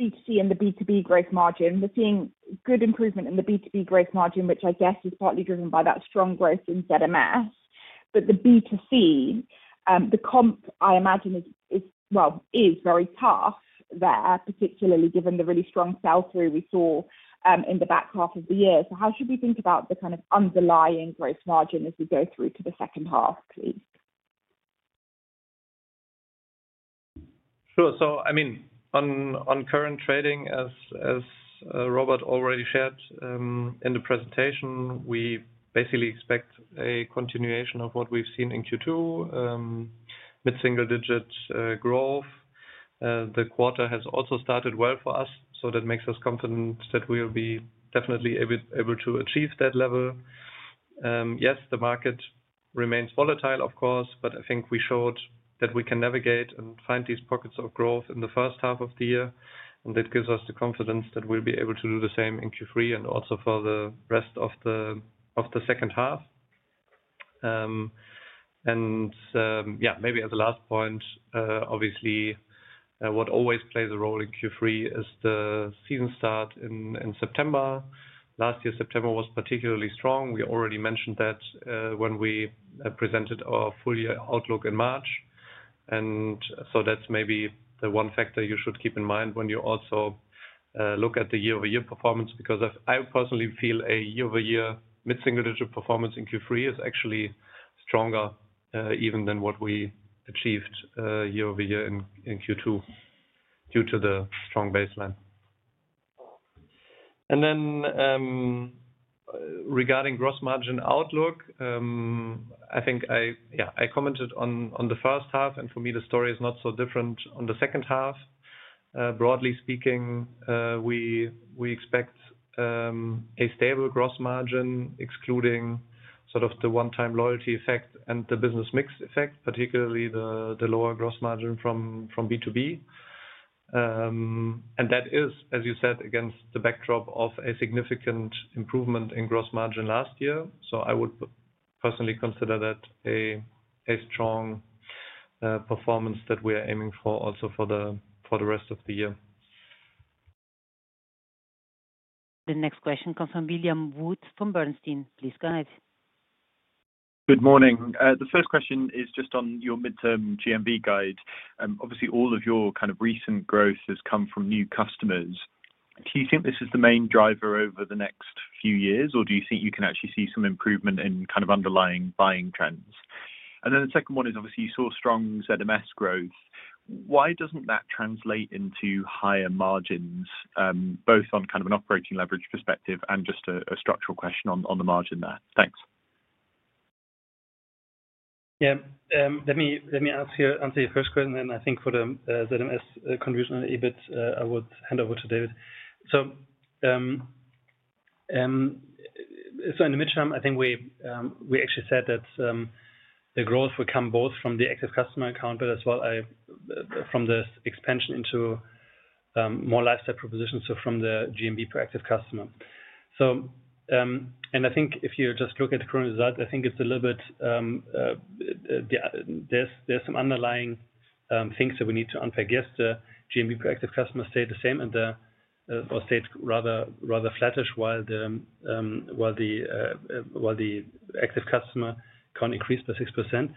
B2C and the B2B gross margin, we're seeing good improvement in the B2B gross margin, which I guess is partly driven by that strong growth in ZMS. The B2C, the comp, I imagine, is very tough there, particularly given the really strong sell-through we saw in the back half of the year. How should we think about the kind of underlying gross margin as we go through to the second half, please? Sure. On current trading, as Robert already shared in the presentation, we basically expect a continuation of what we've seen in Q2, mid-single-digit growth. The quarter has also started well for us, so that makes us confident that we'll be definitely able to achieve that level. Yes, the market remains volatile, of course, but I think we showed that we can navigate and find these pockets of growth in the first half of the year, and that gives us the confidence that we'll be able to do the same in Q3 and also for the rest of the second half. Maybe as a last point, obviously, what always plays a role in Q3 is the season start in September. Last year, September was particularly strong. We already mentioned that when we presented our full year outlook in March. That's maybe the one factor you should keep in mind when you also look at the year-over-year performance, because I personally feel a year-over-year mid-single-digit performance in Q3 is actually stronger even than what we achieved year-over-year in Q2 due to the strong baseline. Regarding gross margin outlook, I think I commented on the first half, and for me, the story is not so different on the second half. Broadly speaking, we expect a stable gross margin, excluding sort of the one-time loyalty effect and the business mix effect, particularly the lower gross margin from B2B. That is, as you said, against the backdrop of a significant improvement in gross margin last year. I would personally consider that a strong performance that we are aiming for also for the rest of the year. The next question comes from William Woods from Bernstein. Please go ahead. Good morning. The first question is just on your midterm GMV guide. Obviously, all of your kind of recent growth has come from new customers. Do you think this is the main driver over the next few years, or do you think you can actually see some improvement in kind of underlying buying trends? The second one is obviously you saw strong ZMS growth. Why doesn't that translate into higher margins, both on kind of an operating leverage perspective and just a structural question on the margin there? Thanks. Yeah, let me answer your first question, and then I think for the ZMS contribution on EBIT, I would hand over to David. In the midterm, I think we actually said that the growth would come both from the active customer account, but as well from the expansion into more lifestyle propositions, so from the GMV per active customer. I think if you just look at the current result, it's a little bit there's some underlying things that we need to unpack. Yes, the GMV per active customer stayed the same and stayed rather flattish while the active customer count increased by 6%.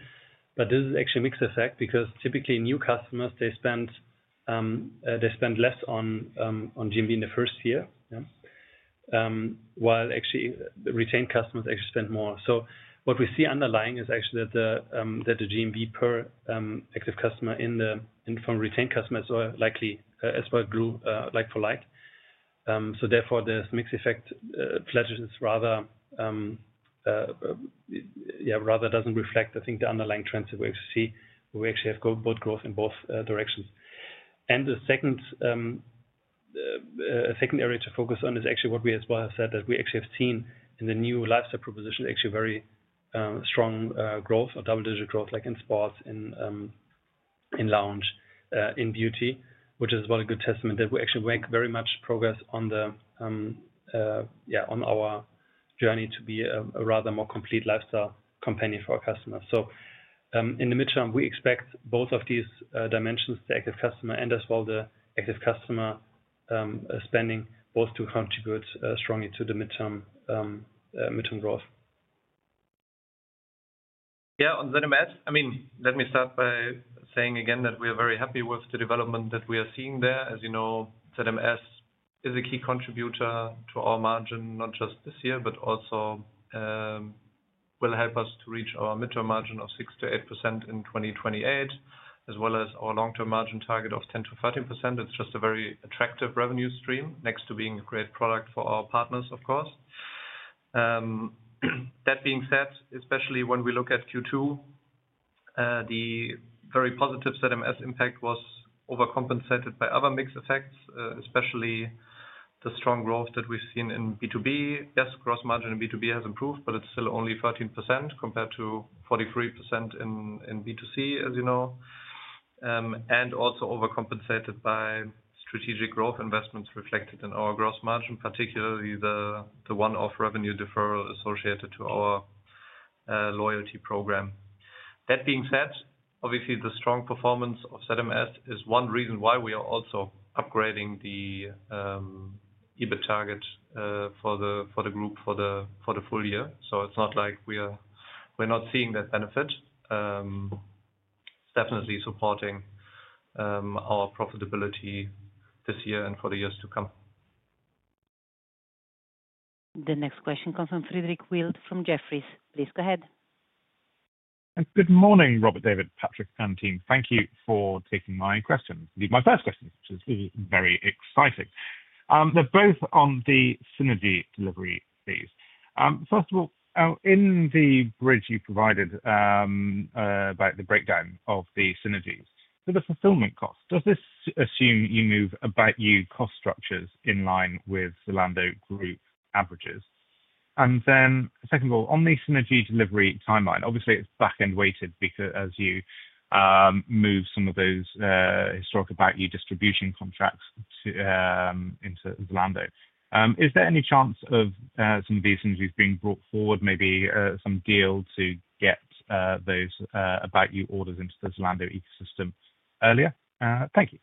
This is actually a mixed effect because typically new customers spend less on GMV in the first year, while actually retained customers actually spend more. What we see underlying is actually that the GMV per active customer from retained customers likely as well grew like for like. Therefore, this mixed effect rather doesn't reflect, I think, the underlying trends that we actually see. We actually have growth in both directions. The second area to focus on is actually what we as well have said that we actually have seen in the new lifestyle proposition, actually very strong growth or double-digit growth, like in sports, in lounge, in beauty, which is a good testament that we actually make very much progress on our journey to be a rather more complete lifestyle company for our customers. In the midterm, we expect both of these dimensions, the active customer and as well the active customer spending, both to contribute strongly to the midterm growth. Yeah, on ZMS, let me start by saying again that we are very happy with the development that we are seeing there. As you know, ZMS is a key contributor to our margin, not just this year, but also will help us to reachour midterm margin of 6%-8% in 2028, as well as our long-term margin target of 10%-13%. It's just a very attractive revenue stream, next to being a great product for our partners, of course. That being said, especially when we look at Q2, the very positive ZMS impact was overcompensated by other mixed effects, especially the strong growth that we've seen in B2B. Yes, gross margin in B2B has improved, but it's still only 13% compared to 43% in B2C, as you know. It was also overcompensated by strategic growth investments reflected in our gross margin, particularly the one-off revenue deferral associated to our loyalty program. That being said, obviously, the strong performance of ZMS is one reason why we are also upgrading the EBIT target for the group for the full year. It's not like we're not seeing that benefit. It's definitely supporting our profitability this year and for the years to come. The next question comes from Frederick Wild from Jefferies. Please go ahead. Good morning, Robert, David, Patrick, and team. Thank you for taking my question. My first question, which is really very exciting, is on the synergy delivery phase. In the bridge you provided about the breakdown of the synergies, the fulfillment cost, does this assume you About You cost structures in line with Zalando Group averages? On the synergy delivery timeline, obviously, it's backend weighted because as you move some of those About You distribution contracts into Zalando, is there any chance of some of these synergies being brought forward, maybe some deal to get About You orders into the Zalando ecosystem earlier? Thank you.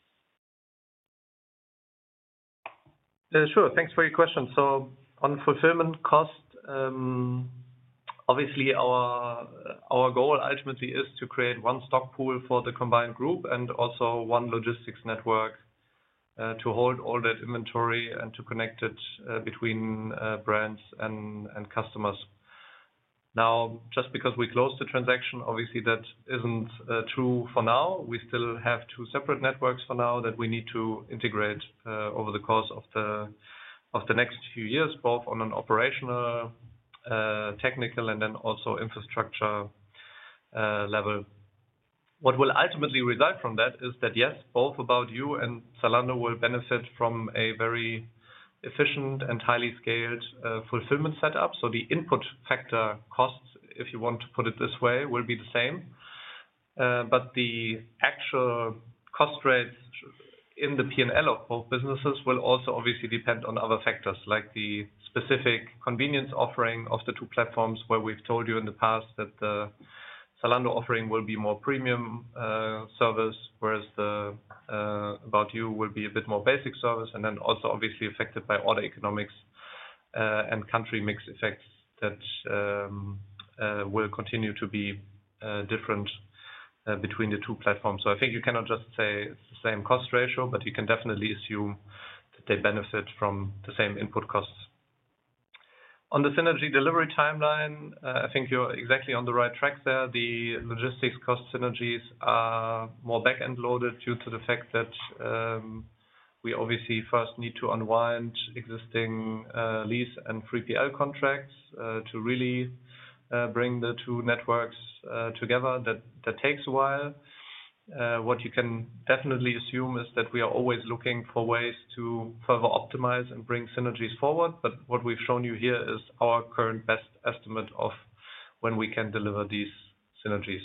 Sure. Thanks for your question. On fulfillment cost, obviously, our goal ultimately is to create one stock pool for the combined group and also one logistics network to hold all that inventory and to connect it between brands and customers. Just because we closed the transaction, that isn't true for now. We still have two separate networks for now that we need to integrate over the course of the next few years, both on an operational, technical, and also infrastructure level. What will ultimately result from that is that, yes, About You and Zalando will benefit from a very efficient and highly Scaled fulfillment setup. The input factor costs, if you want to put it this way, will be the same. The actual cost rates in the P&L of both businesses will also obviously depend on other factors like the specific convenience offering of the two platforms, where we've told you in the past that the Zalando offering will be more premium service, About You will be a bit more basic service, and also obviously affected by order economics and country mix effects that will continue to be different between the two platforms. I think you cannot just say it's the same cost ratio, but you can definitely assume that they benefit from the same input costs. On the synergy delivery timeline, I think you're exactly on the right track there. The logistics cost synergies are more backend loaded due to the fact that we first need to unwind existing lease and 3PL contracts to really bring the two networks together. That takes a while. You can definitely assume that we are always looking for ways to further optimize and bring synergies forward. What we've shown you here is our current best estimate of when we can deliver these synergies.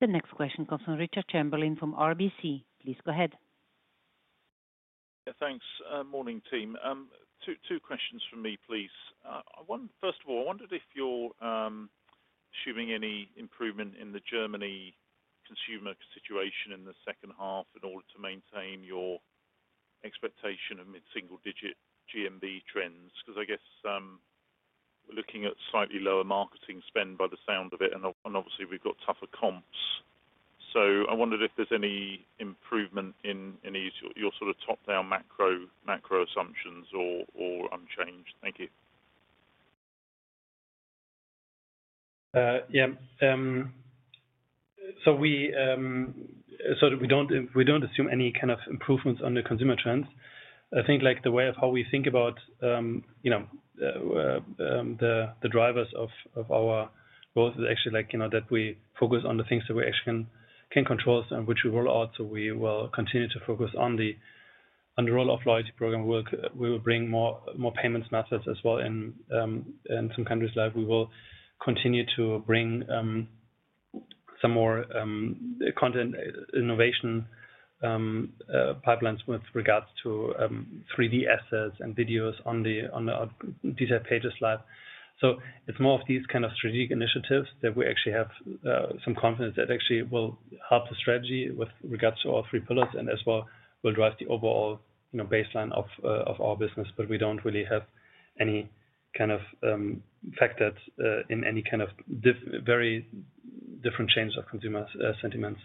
The next question comes from Richard Chamberlain from RBC. Please go ahead. Yeah, thanks. Morning, team. Two questions for me, please. One, first of all, I wondered if you're assuming any improvement in the Germany consumer situation in the second half in order to maintain your expectation of mid-single-digit GMV trends, because I guess we're looking at slightly lower marketing spend by the sound of it, and obviously we've got tougher comps. I wondered if there's any improvement in any of your sort of top-down macro assumptions or unchanged. Thank you. Yeah. We don't assume any kind of improvements on the consumer trends. I think the way we think about the drivers of our growth is actually that we focus on the things that we actually can control and which we roll out. We will continue to focus on the roll-off loyalty program. We will bring more payment methods as well in some countries. We will continue to bring some more content innovation pipelines with regards to 3D assets and videos on the PDP pages live. It's more of these kinds of strategic initiatives that we actually have some confidence will help the strategy with regards to all three pillars and as well will drive the overall baseline of our business. We don't really factor in any kind of very different changes of consumer sentiments.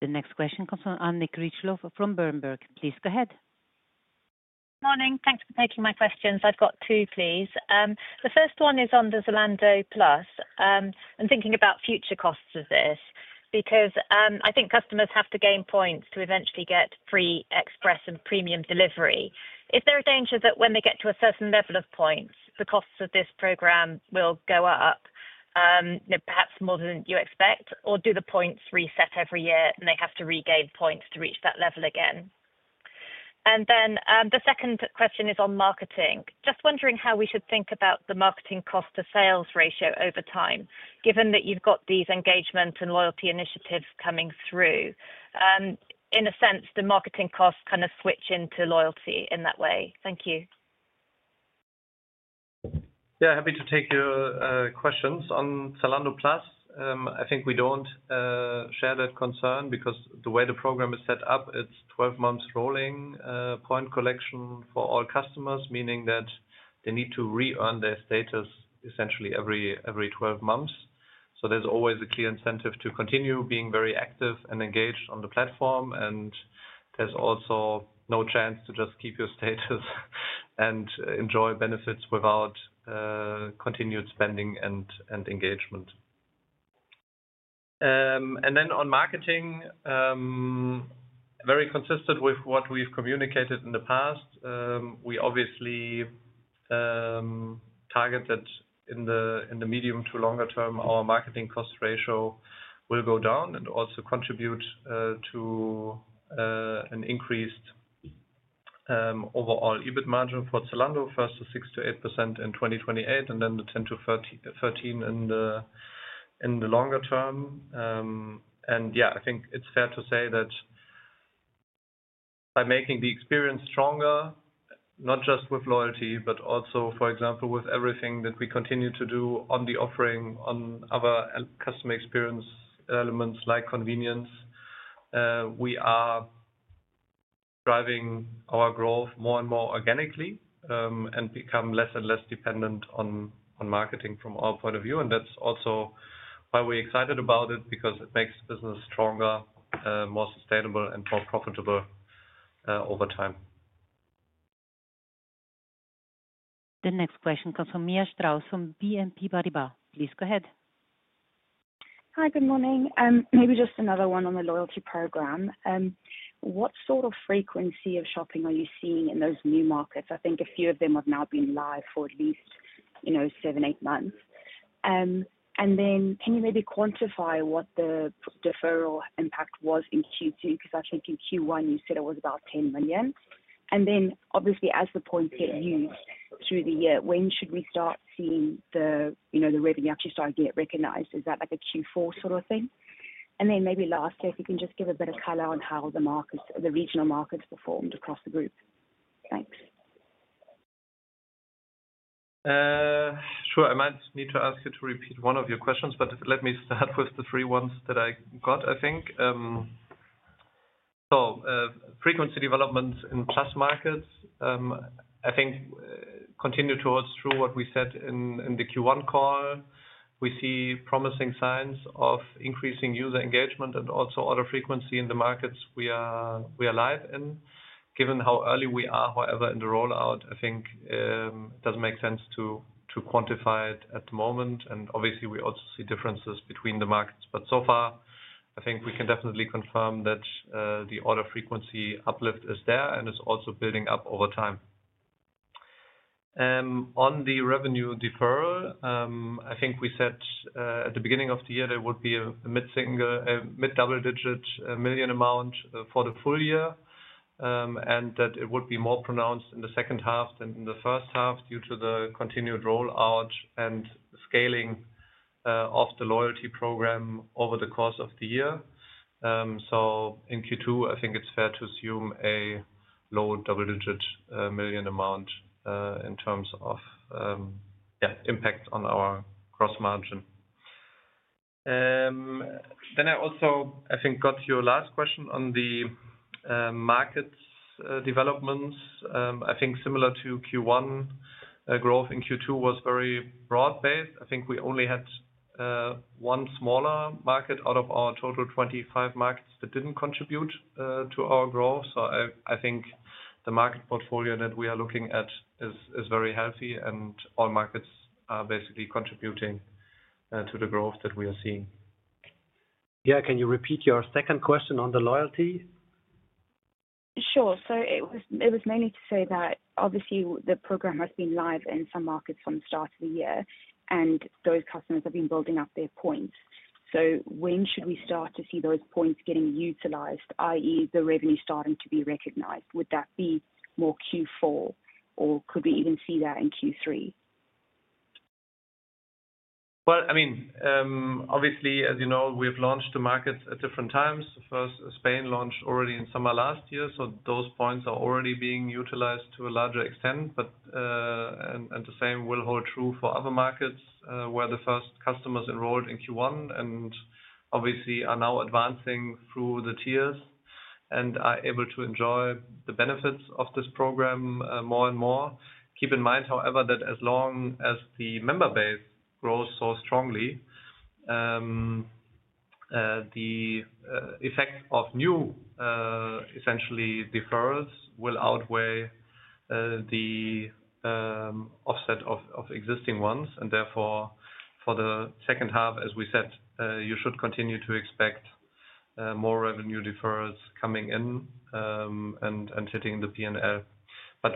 The next question comes from Anne Critchlow from Berenberg. Please go ahead. Morning. Thanks for taking my questions. I've got two, please. The first one is on Zalando Plus. I'm thinking about future costs of this because I think customers have to gain points to eventually get free express and premium delivery. Is there a danger that when they get to a certain level of points, the costs of this program will go up, perhaps more than you expect, or do the points reset every year and they have to regain points to reach that level again? The second question is on marketing. Just wondering how we should think about the marketing cost-to-sales ratio over time, given that you've got these engagement and loyalty initiatives coming through. In a sense, the marketing costs kind of switch into loyalty in that way. Thank you. Yeah, happy to take your questions. On Zalando Plus, I think we don't share that concern because the way the program is set up, it's 12 months rolling point collection for all customers, meaning that they need to re-earn their status essentially every 12 months. There's always a clear incentive to continue being very active and engaged on the platform, and there's also no chance to just keep your status and enjoy benefits without continued spending and engagement. On marketing, very consistent with what we've communicated in the past, we obviously target that in the medium to longer term, our marketing cost ratio will go down and also contribute to an increased overall EBIT margin for Zalando, first to 6%-8% in 2028, and then to 10%-13% in the longer term. I think it's fair to say that by making the experience stronger, not just with loyalty, but also, for example, with everything that we continue to do on the offering, on other customer experience elements like convenience, we are driving our growth more and more organically and become less and less dependent on marketing from our point of view. That's also why we're excited about it, because it makes business stronger, more sustainable, and more profitable over time. The next question comes from Mia Strauss from BNP Paribas. Please go ahead. Hi, good morning. Maybe just another one on the loyalty program. What sort of frequency of shopping are you seeing in those new markets? I think a few of them have now been live for at least, you know, seven, eight months. Can you maybe quantify what the deferral impact was in Q2? I think in Q1 you said it was about 10 million. Obviously, as the point gets used through the year, when should we start seeing the revenue actually start to get recognized? Is that like a Q4 sort of thing? Maybe last year, if you can just give a bit of color on how the markets, the regional markets performed across the group. Thanks. Sure. I might need to ask you to repeat one of your questions, but let me start with the three ones that I got, I think. Frequency developments in plus markets, I think, continue towards through what we said in the Q1 call. We see promising signs of increasing user engagement and also order frequency in the markets we are live in. Given how early we are, however, in the rollout, I think it doesn't make sense to quantify it at the moment. Obviously, we also see differences between the markets. So far, I think we can definitely confirm that the order frequency uplift is there and it's also building up over time. On the revenue deferral, I think we said at the beginning of the year there would be a mid-double-digit million amount for the full year and that it would be more pronounced in the second half than in the first half due to the continued rollout and scaling of the loyalty program over the course of the year. In Q2, I think it's fair to assume a low double-digit million amount in terms of impacts on our gross margin. I also, I think, got your last question on the markets developments. Similar to Q1, growth in Q2 was very broad-based. I think we only had one smaller market out of our total 25 markets that didn't contribute to our growth. The market portfolio that we are looking at is very healthy and all markets are basically contributing to the growth that we are seeing. Yeah, can you repeat your second question on the loyalty? Sure. It was mainly to say that obviously the program has been live in some markets from the start of the year and those customers have been building up their points. When should we start to see those points getting utilized, i.e., the revenue starting to be recognized? Would that be more Q4 or could we even see that in Q3? As you know, we've launched the markets at different times. First, Spain launched already in summer last year, so those points are already being utilized to a larger extent. The same will hold true for other markets where the first customers enrolled in Q1 and obviously are now advancing through the tiers and are able to enjoy the benefits of this program more and more. Keep in mind, however, that as long as the member base grows so strongly, the effect of new essentially deferrals will outweigh the offset of existing ones. Therefore, for the second half, as we said, you should continue to expect more revenue deferrals coming in and hitting the P&L.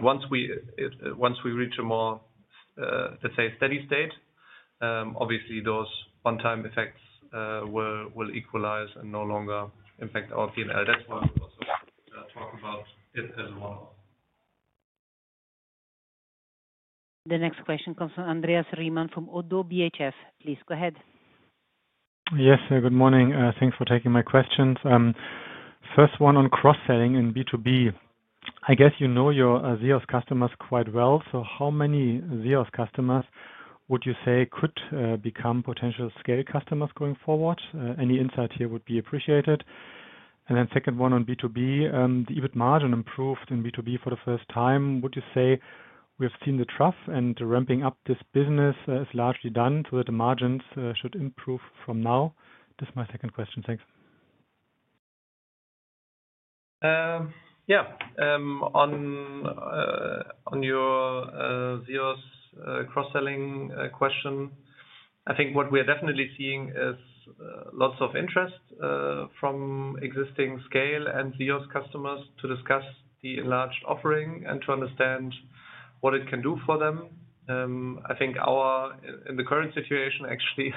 Once we reach a more, let's say, steady state, obviously those one-time effects will equalize and no longer impact our P&L. That's why we also talk about it as a one-off. The next question comes from Andreas Riemann from ODDO BHF. Please go ahead. Yes, good morning. Thanks for taking my questions. First one on cross-selling in B2B. I guess you know your ZEOS customers quite well. How many ZEOS customers would you say could become potential Scale customers going forward? Any insight here would be appreciated. Second one on B2B. The EBIT margin improved in B2B for the first time. Would you say we have seen the trough and ramping up this business is largely done so that the margins should improve from now? That's my second question. Thanks. Yeah. On your ZEOS cross-selling question, I think what we are definitely seeing is lots of interest from existing Scale and ZEOS customers to discuss the enlarged offering and to understand what it can do for them. I think in the current situation, actually,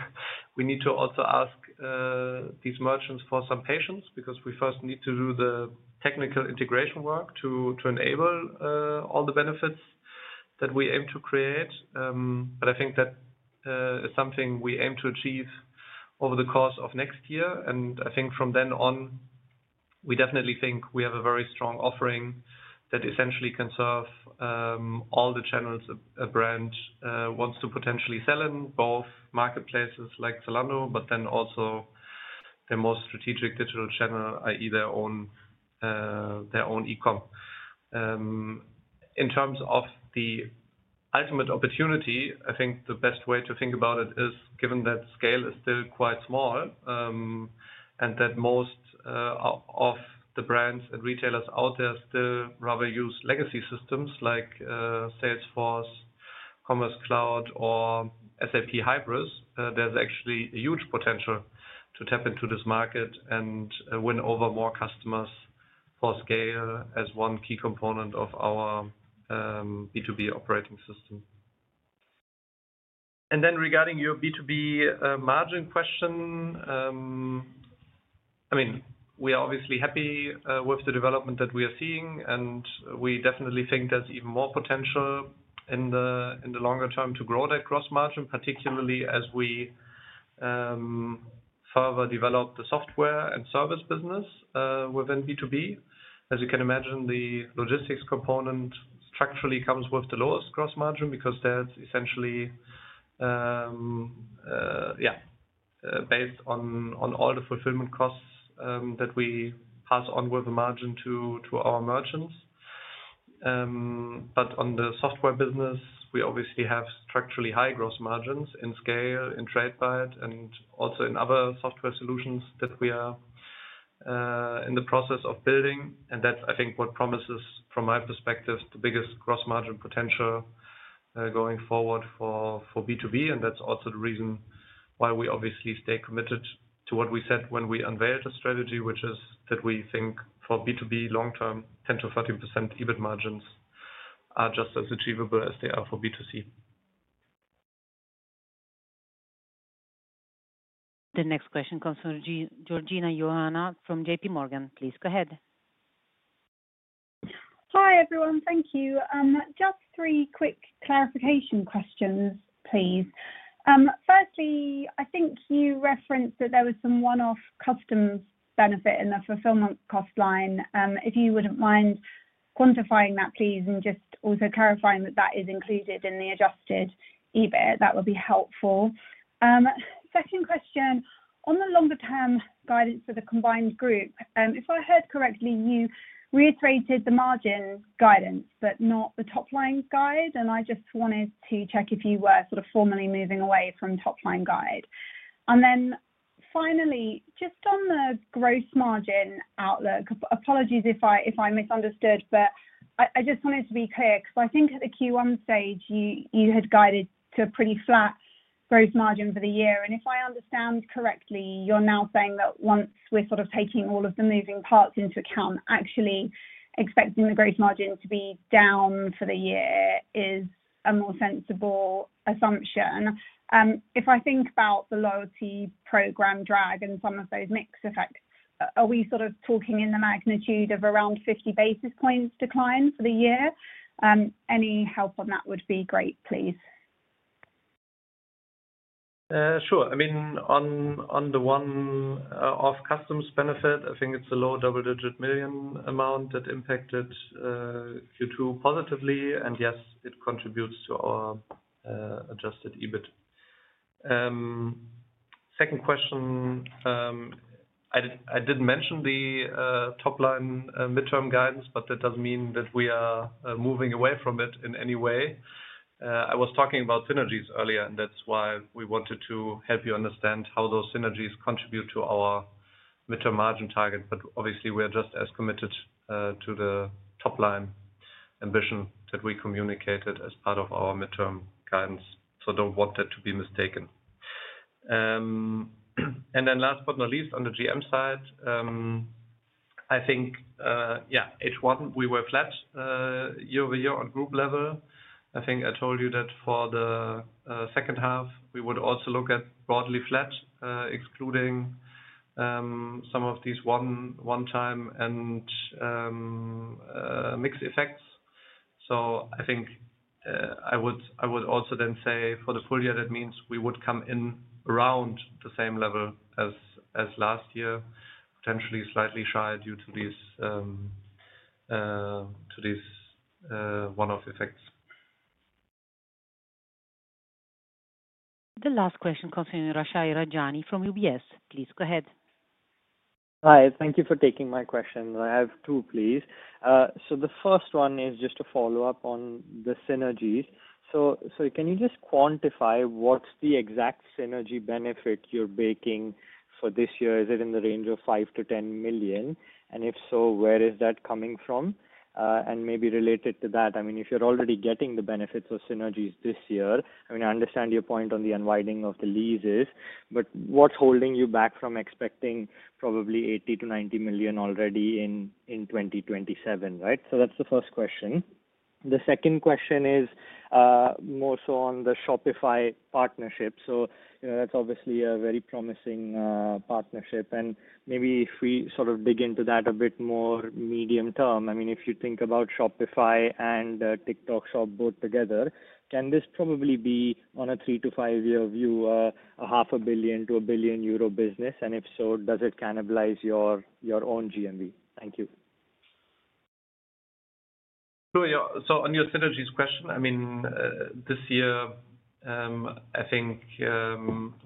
we need to also ask these merchants for some patience because we first need to do the technical integration work to enable all the benefits that we aim to create. I think that is something we aim to achieve over the course of next year. From then on, we definitely think we have a very strong offering that essentially can serve all the channels a brand wants to potentially sell in, both marketplaces like Zalando, but also their most strategic digital channel, i.e., their own eCom. In terms of the ultimate opportunity, I think the best way to think about it is given that Scale is still quite small and that most of the brands and retailers out there still rather use legacy systems like Salesforce, Commerce Cloud, or SAP Hybris, there's actually a huge potential to tap into this market and win over more customers for Scale as one key component of our B2B operating system. Regarding your B2B margin question, we are obviously happy with the development that we are seeing, and we definitely think there's even more potential in the longer term to grow that gross margin, particularly as we. We have developed the software and service business within B2B. As you can imagine, the logistics component actually comes with the lowest gross margin because that's essentially based on all the fulfillment costs that we pass on with a margin to our merchants. On the software business, we obviously have structurally high gross margins in Scale, in Tradebyte, and also in other software solutions that we are in the process of building. I think what promises, from my perspective, the biggest gross margin potential going forward for B2B. That's also the reason why we obviously stay committed to what we said when we unveiled the strategy, which is that we think for B2B long-term, 10%-15% EBIT margins are just as achievable as they are for B2C. The next question comes from Georgina Johanan from JPMorgan. Please go ahead. Hi, everyone. Thank you. Just three quick clarification questions, please. Firstly, I think you referenced that there was some one-off customs benefit in the fulfillment cost line. If you wouldn't mind quantifying that, please, and just also clarifying that that is included in the adjusted EBIT, that would be helpful. Second question, on the longer-term guidance for the combined group, if I heard correctly, you reiterated the margin guidance, but not the top-line guide. I just wanted to check if you were sort of formally moving away from top-line guide. Finally, just on the gross margin outlook, apologies if I misunderstood, but I just wanted to be clear because I think at the Q1 stage, you had guided to a pretty flat gross margin for the year. If I understand correctly, you're now saying that once we're sort of taking all of the moving parts into account, actually expecting the gross margin to be down for the year is a more sensible assumption. If I think about the loyalty program drag and some of those mixed effects, are we sort of talking in the magnitude of around 50 basis points decline for the year? Any help on that would be great, please. Sure. On the one-off customs benefit, I think it's a low double-digit million amount that impacted Q2 positively, and yes, it contributes to our adjusted EBIT. Second question, I did mention the top-line mid-term guidance, but that doesn't mean that we are moving away from it in any way. I was talking about synergies earlier, and that's why we wanted to help you understand how those synergies contribute to our mid-term margin target. Obviously, we are just as committed to the top-line ambition that we communicated as part of our mid-term guidance. I don't want that to be mistaken. Last but not least, on the GM side, I think, yeah, H1, we were flat year over year on group level. I think I told you that for the second half, we would also look at broadly flat, excluding some of these one-time and mixed effects. I would also then say for the full year, that means we would come in around the same level as last year, potentially slightly shy due to these one-off effects. The last question comes from Yashraj Rajani from UBS. Please go ahead. Hi. Thank you for taking my question. I have two, please. The first one is just a follow-up on the synergies. Can you just quantify what's the exact synergy benefit you're baking for this year? Is it in the range of 5 million-10 million? If so, where is that coming from? Maybe related to that, I mean, if you're already getting the benefits of synergies this year, I understand your point on the unwinding of the leases, but what's holding you back from expecting probably 80 million-90 million already in 2027, right? That's the first question. The second question is more on the Shopify partnership. That's obviously a very promising partnership. Maybe if we sort of dig into that a bit more medium term, if you think about Shopify and TikTok Shop both together, can this probably be on a three to five-year view a 500,000,000-1,000,000,000 euro business? If so, does it cannibalize your own GMV? Thank you. On your synergies question, this year, I think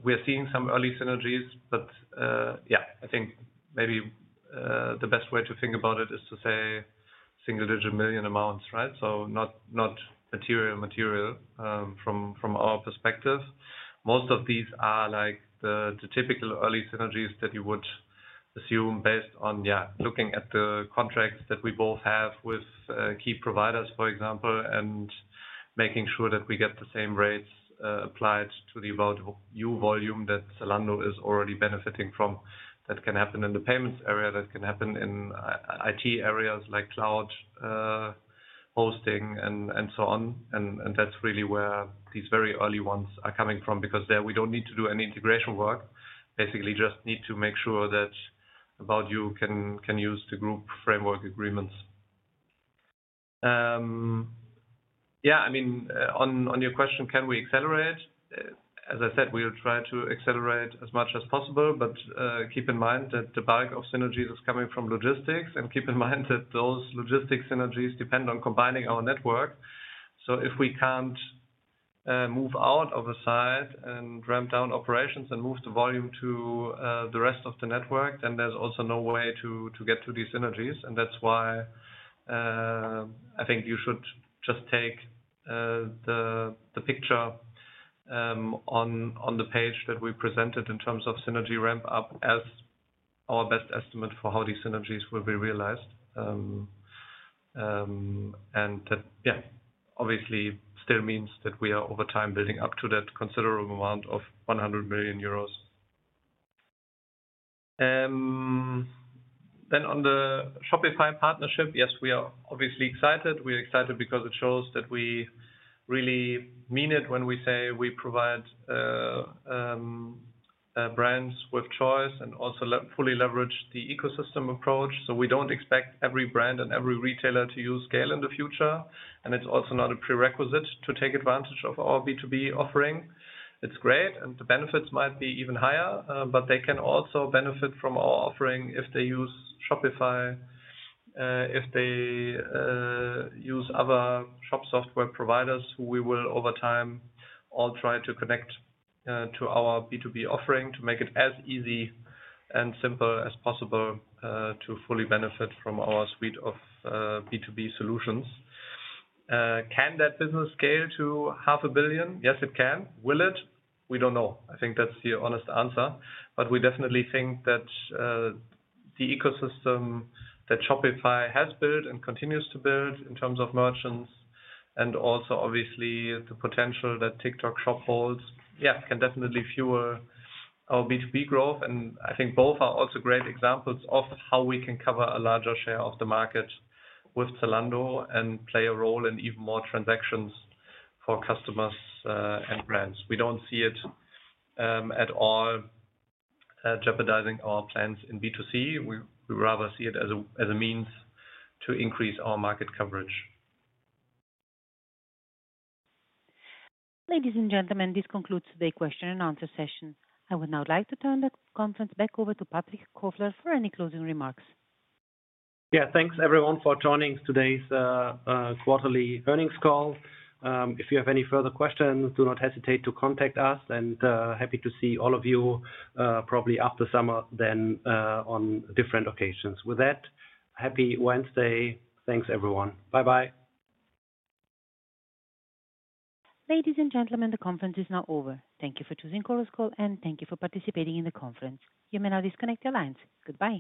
we're seeing some early synergies, but I think maybe the best way to think about it is to say single-digit million amounts, right? Not material from our perspective. Most of these are the typical early synergies that you would assume based on looking at the contracts that we both have with key providers, for example, and making sure that we get the same rates applied to the volume that Zalando is already benefiting from. That can happen in the payments area. That can happen in IT areas like cloud hosting and so on. That's really where these very early ones are coming from because there we don't need to do any integration work. Basically, just need to make sure About You can use the group framework agreements. On your question, can we accelerate? As I said, we'll try to accelerate as much as possible, but keep in mind that the bulk of synergies is coming from logistics. Keep in mind that those logistics synergies depend on combining our network. If we can't move out of a site and ramp down operations and move the volume to the rest of the network, then there's also no way to get to these synergies. That's why I think you should just take the picture on the page that we presented in terms of synergy ramp-up as our best estimate for how these synergies will be realized. That obviously still means that we are over time building up to that considerable amount of 100 million euros. On the Shopify partnership, yes, we are obviously excited. We're excited because it shows that we really mean it when we say we provide brands with choice and also fully leverage the ecosystem approach. We don't expect every brand and every retailer to use Scale in the future. It's also not a prerequisite to take advantage of our B2B offering. It's great, and the benefits might be even higher, but they can also benefit from our offering if they use Shopify, if they use other shop software providers who we will over time all try to connect to our B2B offering to make it as easy and simple as possible to fully benefit from our suite of B2B solutions. Can that business scale to 500,000,000? Yes, it can. Will it? We don't know. I think that's the honest answer. We definitely think that the ecosystem that Shopify has built and continues to build in terms of merchants and also obviously the potential that TikTok Shop holds can definitely fuel our B2B growth. I think both are also great examples of how we can cover a larger share of the market with Zalando and play a role in even more transactions for customers and brands. We don't see it at all jeopardizing our plans in B2C. We rather see it as a means to increase our market coverage. Ladies and gentlemen, this concludes today's question and answer session. I would now like to turn the conference back over to Patrick Kofler for any closing remarks. Yeah, thanks everyone for joining today's quarterly earnings call. If you have any further questions, do not hesitate to contact us. Happy to see all of you probably after summer then on different occasions. With that, happy Wednesday. Thanks, everyone. Bye-bye. Ladies and gentlemen, the conference is now over. Thank you for choosing Chorus Call, and thank you for participating in the conference. You may now disconnect your lines. Goodbye.